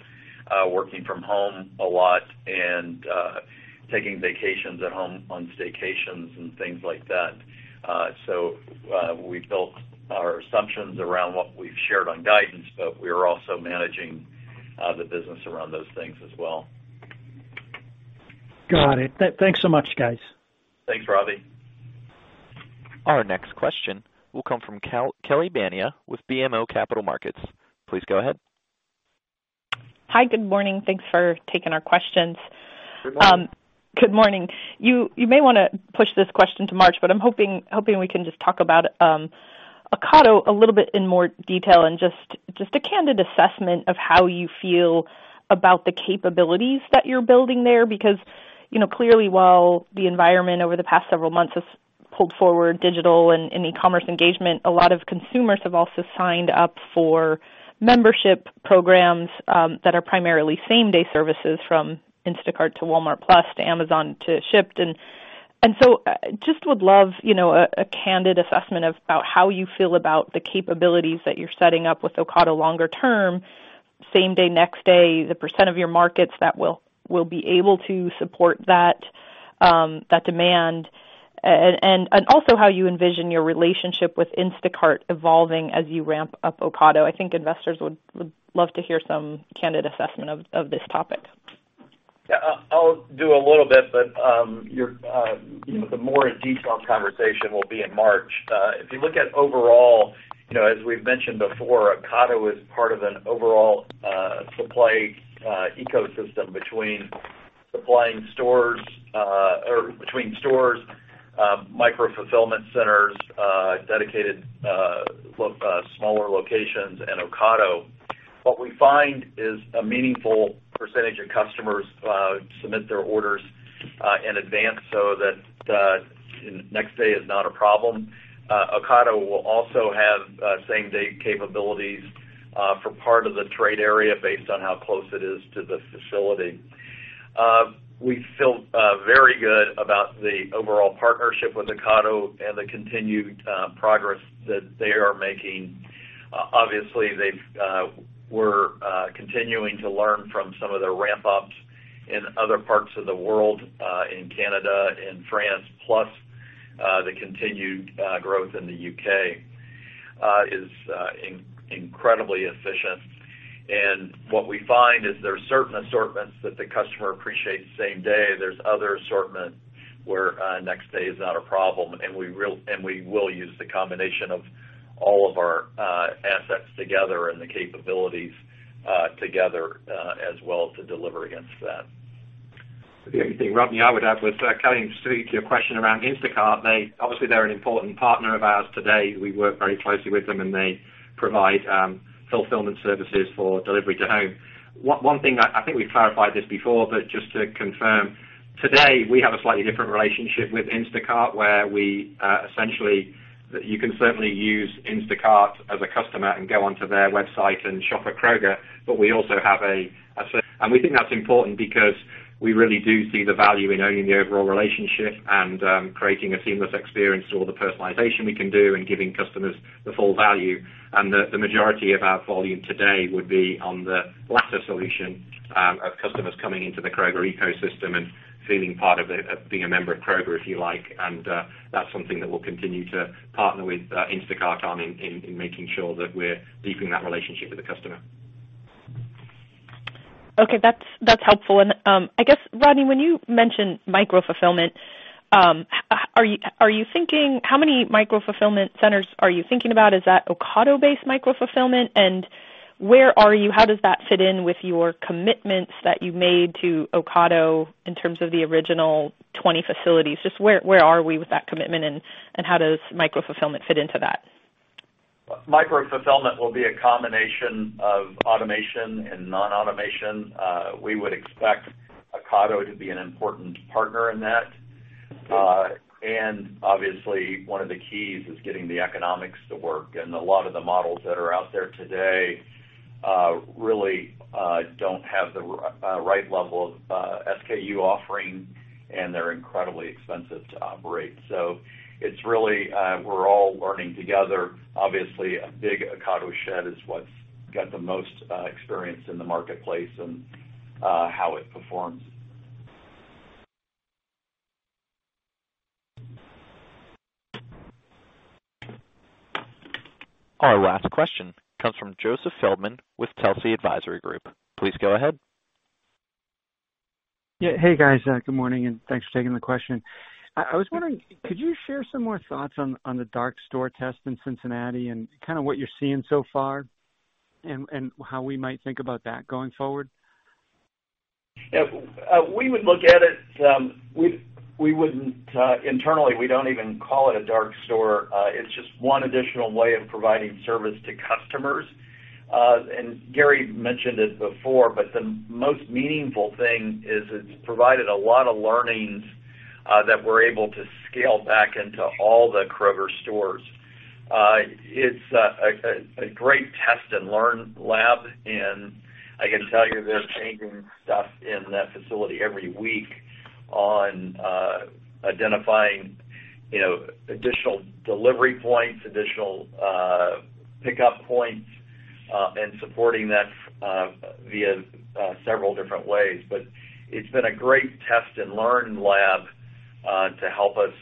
working from home a lot and taking vacations at home on staycations and things like that. We built our assumptions around what we've shared on guidance, but we are also managing the business around those things as well. Got it. Thanks so much, guys. Thanks, Robbie. Our next question will come from Kelly Bania with BMO Capital Markets. Please go ahead. Hi, good morning. Thanks for taking our questions. Good morning. Good morning. You may want to push this question to March, but I'm hoping we can just talk about Ocado a little bit in more detail and just a candid assessment of how you feel about the capabilities that you're building there. Because clearly, while the environment over the past several months has pulled forward digital and e-commerce engagement, a lot of consumers have also signed up for membership programs that are primarily same-day services, from Instacart to Walmart+ to Amazon to Shipt. So just would love a candid assessment about how you feel about the capabilities that you're setting up with Ocado longer term. Same day, next day, the percent of your markets that will be able to support that demand, and also how you envision your relationship with Instacart evolving as you ramp up Ocado. I think investors would love to hear some candid assessment of this topic. Yeah, I'll do a little bit, but the more in-detail conversation will be in March. If you look at overall, as we've mentioned before, Ocado is part of an overall supply ecosystem between stores, micro-fulfillment centers, dedicated smaller locations, and Ocado. What we find is a meaningful percentage of customers submit their orders in advance so that next day is not a problem. Ocado will also have same-day capabilities for part of the trade area based on how close it is to the facility. We feel very good about the overall partnership with Ocado and the continued progress that they are making. Obviously, we're continuing to learn from some of the ramp-ups in other parts of the world, in Canada and France, plus the continued growth in the U.K. is incredibly efficient. What we find is there are certain assortments that the customer appreciates same day. There's other assortment where next day is not a problem, and we will use the combination of all of our assets together and the capabilities together as well to deliver against that. The only thing, Rodney, I would add with Kelly, specific to your question around Instacart, obviously they're an important partner of ours today. We work very closely with them, and they provide fulfillment services for delivery to home. One thing, I think we've clarified this before, but just to confirm, today, we have a slightly different relationship with Instacart, where we essentially, you can certainly use Instacart as a customer and go onto their website and shop at Kroger. We also have a service, and we think that's important because we really do see the value in owning the overall relationship and creating a seamless experience, all the personalization we can do and giving customers the full value. The majority of our volume today would be on the latter solution of customers coming into the Kroger ecosystem and feeling part of being a member of Kroger, if you like. That's something that we'll continue to partner with Instacart on in making sure that we're deepening that relationship with the customer. Okay. That's helpful. I guess, Rodney, when you mentioned micro-fulfillment, how many micro-fulfillment centers are you thinking about? Is that Ocado-based micro-fulfillment, and where are you? How does that fit in with your commitments that you made to Ocado in terms of the original 20 facilities? Just where are we with that commitment, and how does micro-fulfillment fit into that? Micro-fulfillment will be a combination of automation and non-automation. We would expect Ocado to be an important partner in that. Obviously, one of the keys is getting the economics to work. A lot of the models that are out there today really don't have the right level of SKU offering, and they're incredibly expensive to operate. It's really we're all learning together. Obviously, a big Ocado shed is what's got the most experience in the marketplace and how it performs. Our last question comes from Joseph Feldman with Telsey Advisory Group. Please go ahead. Yeah. Hey, guys. Good morning. Thanks for taking the question. I was wondering, could you share some more thoughts on the dark store test in Cincinnati and kind of what you're seeing so far and how we might think about that going forward? Yeah. We would look at it, internally, we don't even call it a dark store. Gary mentioned it before, but the most meaningful thing is it's provided a lot of learnings that we're able to scale back into all the Kroger stores. It's a great test and learn lab, and I can tell you they're changing stuff in that facility every week on identifying additional delivery points, additional pickup points, and supporting that via several different ways. It's been a great test and learn lab to help us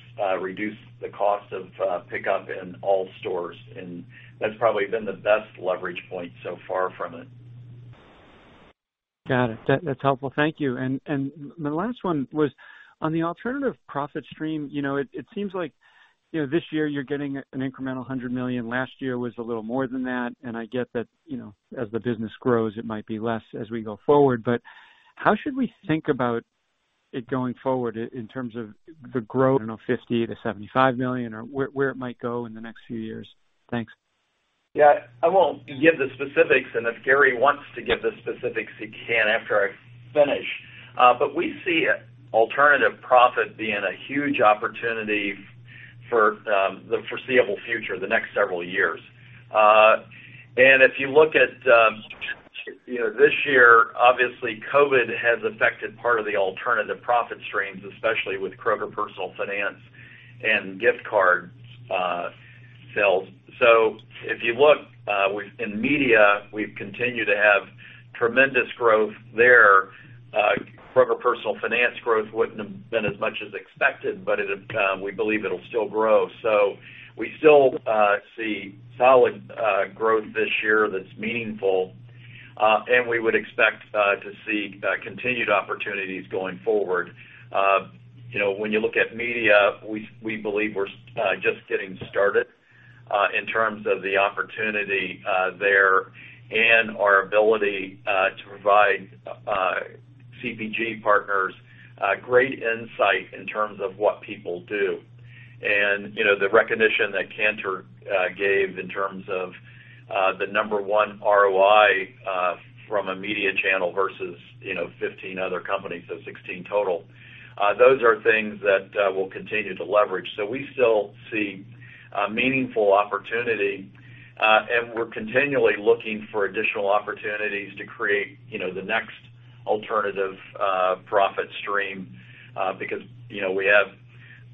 reduce the cost of pickup in all stores, and that's probably been the best leverage point so far from it. Got it. That's helpful. Thank you. The last one was on the alternative profit stream. It seems like this year you're getting an incremental $100 million. Last year was a little more than that. I get that as the business grows, it might be less as we go forward. How should we think about it going forward in terms of the growth, I don't know, $50 million-$75 million or where it might go in the next few years? Thanks. Yeah. I won't give the specifics, if Gary wants to give the specifics, he can after I finish. We see alternative profit being a huge opportunity for the foreseeable future, the next several years. If you look at this year, obviously COVID has affected part of the alternative profit streams, especially with Kroger Personal Finance and gift cards sales. If you look, in media, we've continued to have tremendous growth there. Kroger Personal Finance growth wouldn't have been as much as expected, but we believe it'll still grow. We still see solid growth this year that's meaningful. We would expect to see continued opportunities going forward. When you look at media, we believe we're just getting started in terms of the opportunity there and our ability to provide CPG partners great insight in terms of what people do. The recognition that Kantar gave in terms of the number one ROI from a media channel versus 15 other companies, 16 total. Those are things that we'll continue to leverage. We still see a meaningful opportunity, and we're continually looking for additional opportunities to create the next alternative profit stream, because we have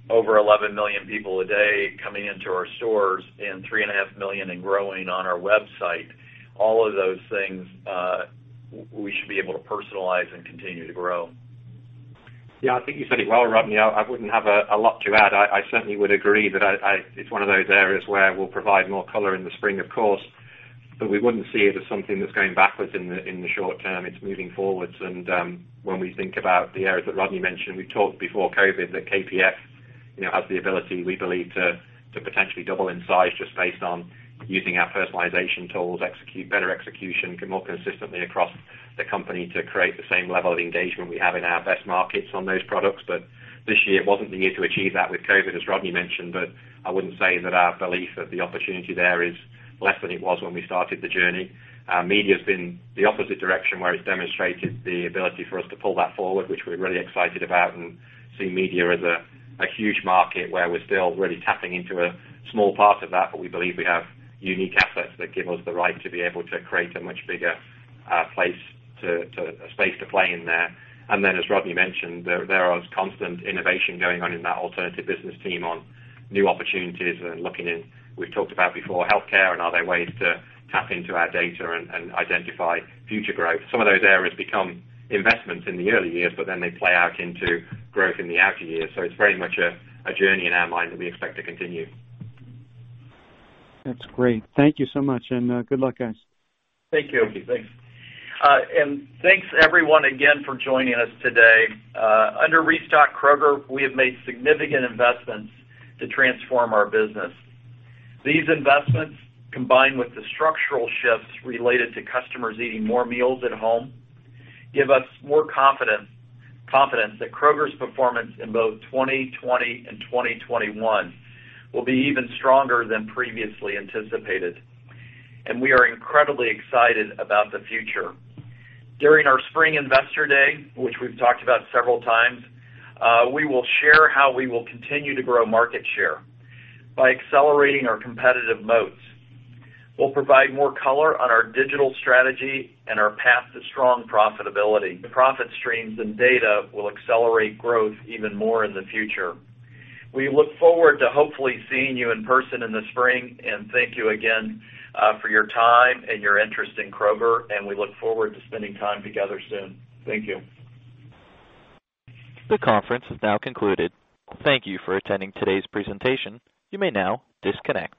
over 11 million people a day coming into our stores and 3.5 million and growing on our website. All of those things, we should be able to personalize and continue to grow. Yeah. I think you said it well, Rodney. I wouldn't have a lot to add. I certainly would agree that it's one of those areas where we'll provide more color in the spring, of course, but we wouldn't see it as something that's going backwards in the short term. It's moving forwards. When we think about the areas that Rodney mentioned, we've talked before COVID that KPF has the ability, we believe, to potentially double in size just based on using our personalization tools, better execution more consistently across the company to create the same level of engagement we have in our best markets on those products. This year wasn't the year to achieve that with COVID, as Rodney mentioned. I wouldn't say that our belief that the opportunity there is less than it was when we started the journey. Media's been the opposite direction, where it's demonstrated the ability for us to pull that forward, which we're really excited about and see media as a huge market where we're still really tapping into a small part of that. We believe we have unique assets that give us the right to be able to create a much bigger space to play in there. As Rodney mentioned, there is constant innovation going on in that alternative business team on new opportunities and looking in. We've talked about before, healthcare, and are there ways to tap into our data and identify future growth. Some of those areas become investments in the early years, but then they play out into growth in the outer years. It's very much a journey in our mind that we expect to continue. That's great. Thank you so much, and good luck, guys. Thank you. Thank you. Thanks. Thanks everyone again for joining us today. Under Restock Kroger, we have made significant investments to transform our business. These investments, combined with the structural shifts related to customers eating more meals at home, give us more confidence that Kroger's performance in both 2020 and 2021 will be even stronger than previously anticipated. We are incredibly excited about the future. During our spring Investor Day, which we've talked about several times, we will share how we will continue to grow market share by accelerating our competitive moats. We'll provide more color on our digital strategy and our path to strong profitability. The profit streams and data will accelerate growth even more in the future. We look forward to hopefully seeing you in person in the spring, and thank you again for your time and your interest in Kroger, and we look forward to spending time together soon. Thank you. The conference is now concluded. Thank you for attending today's presentation. You may now disconnect.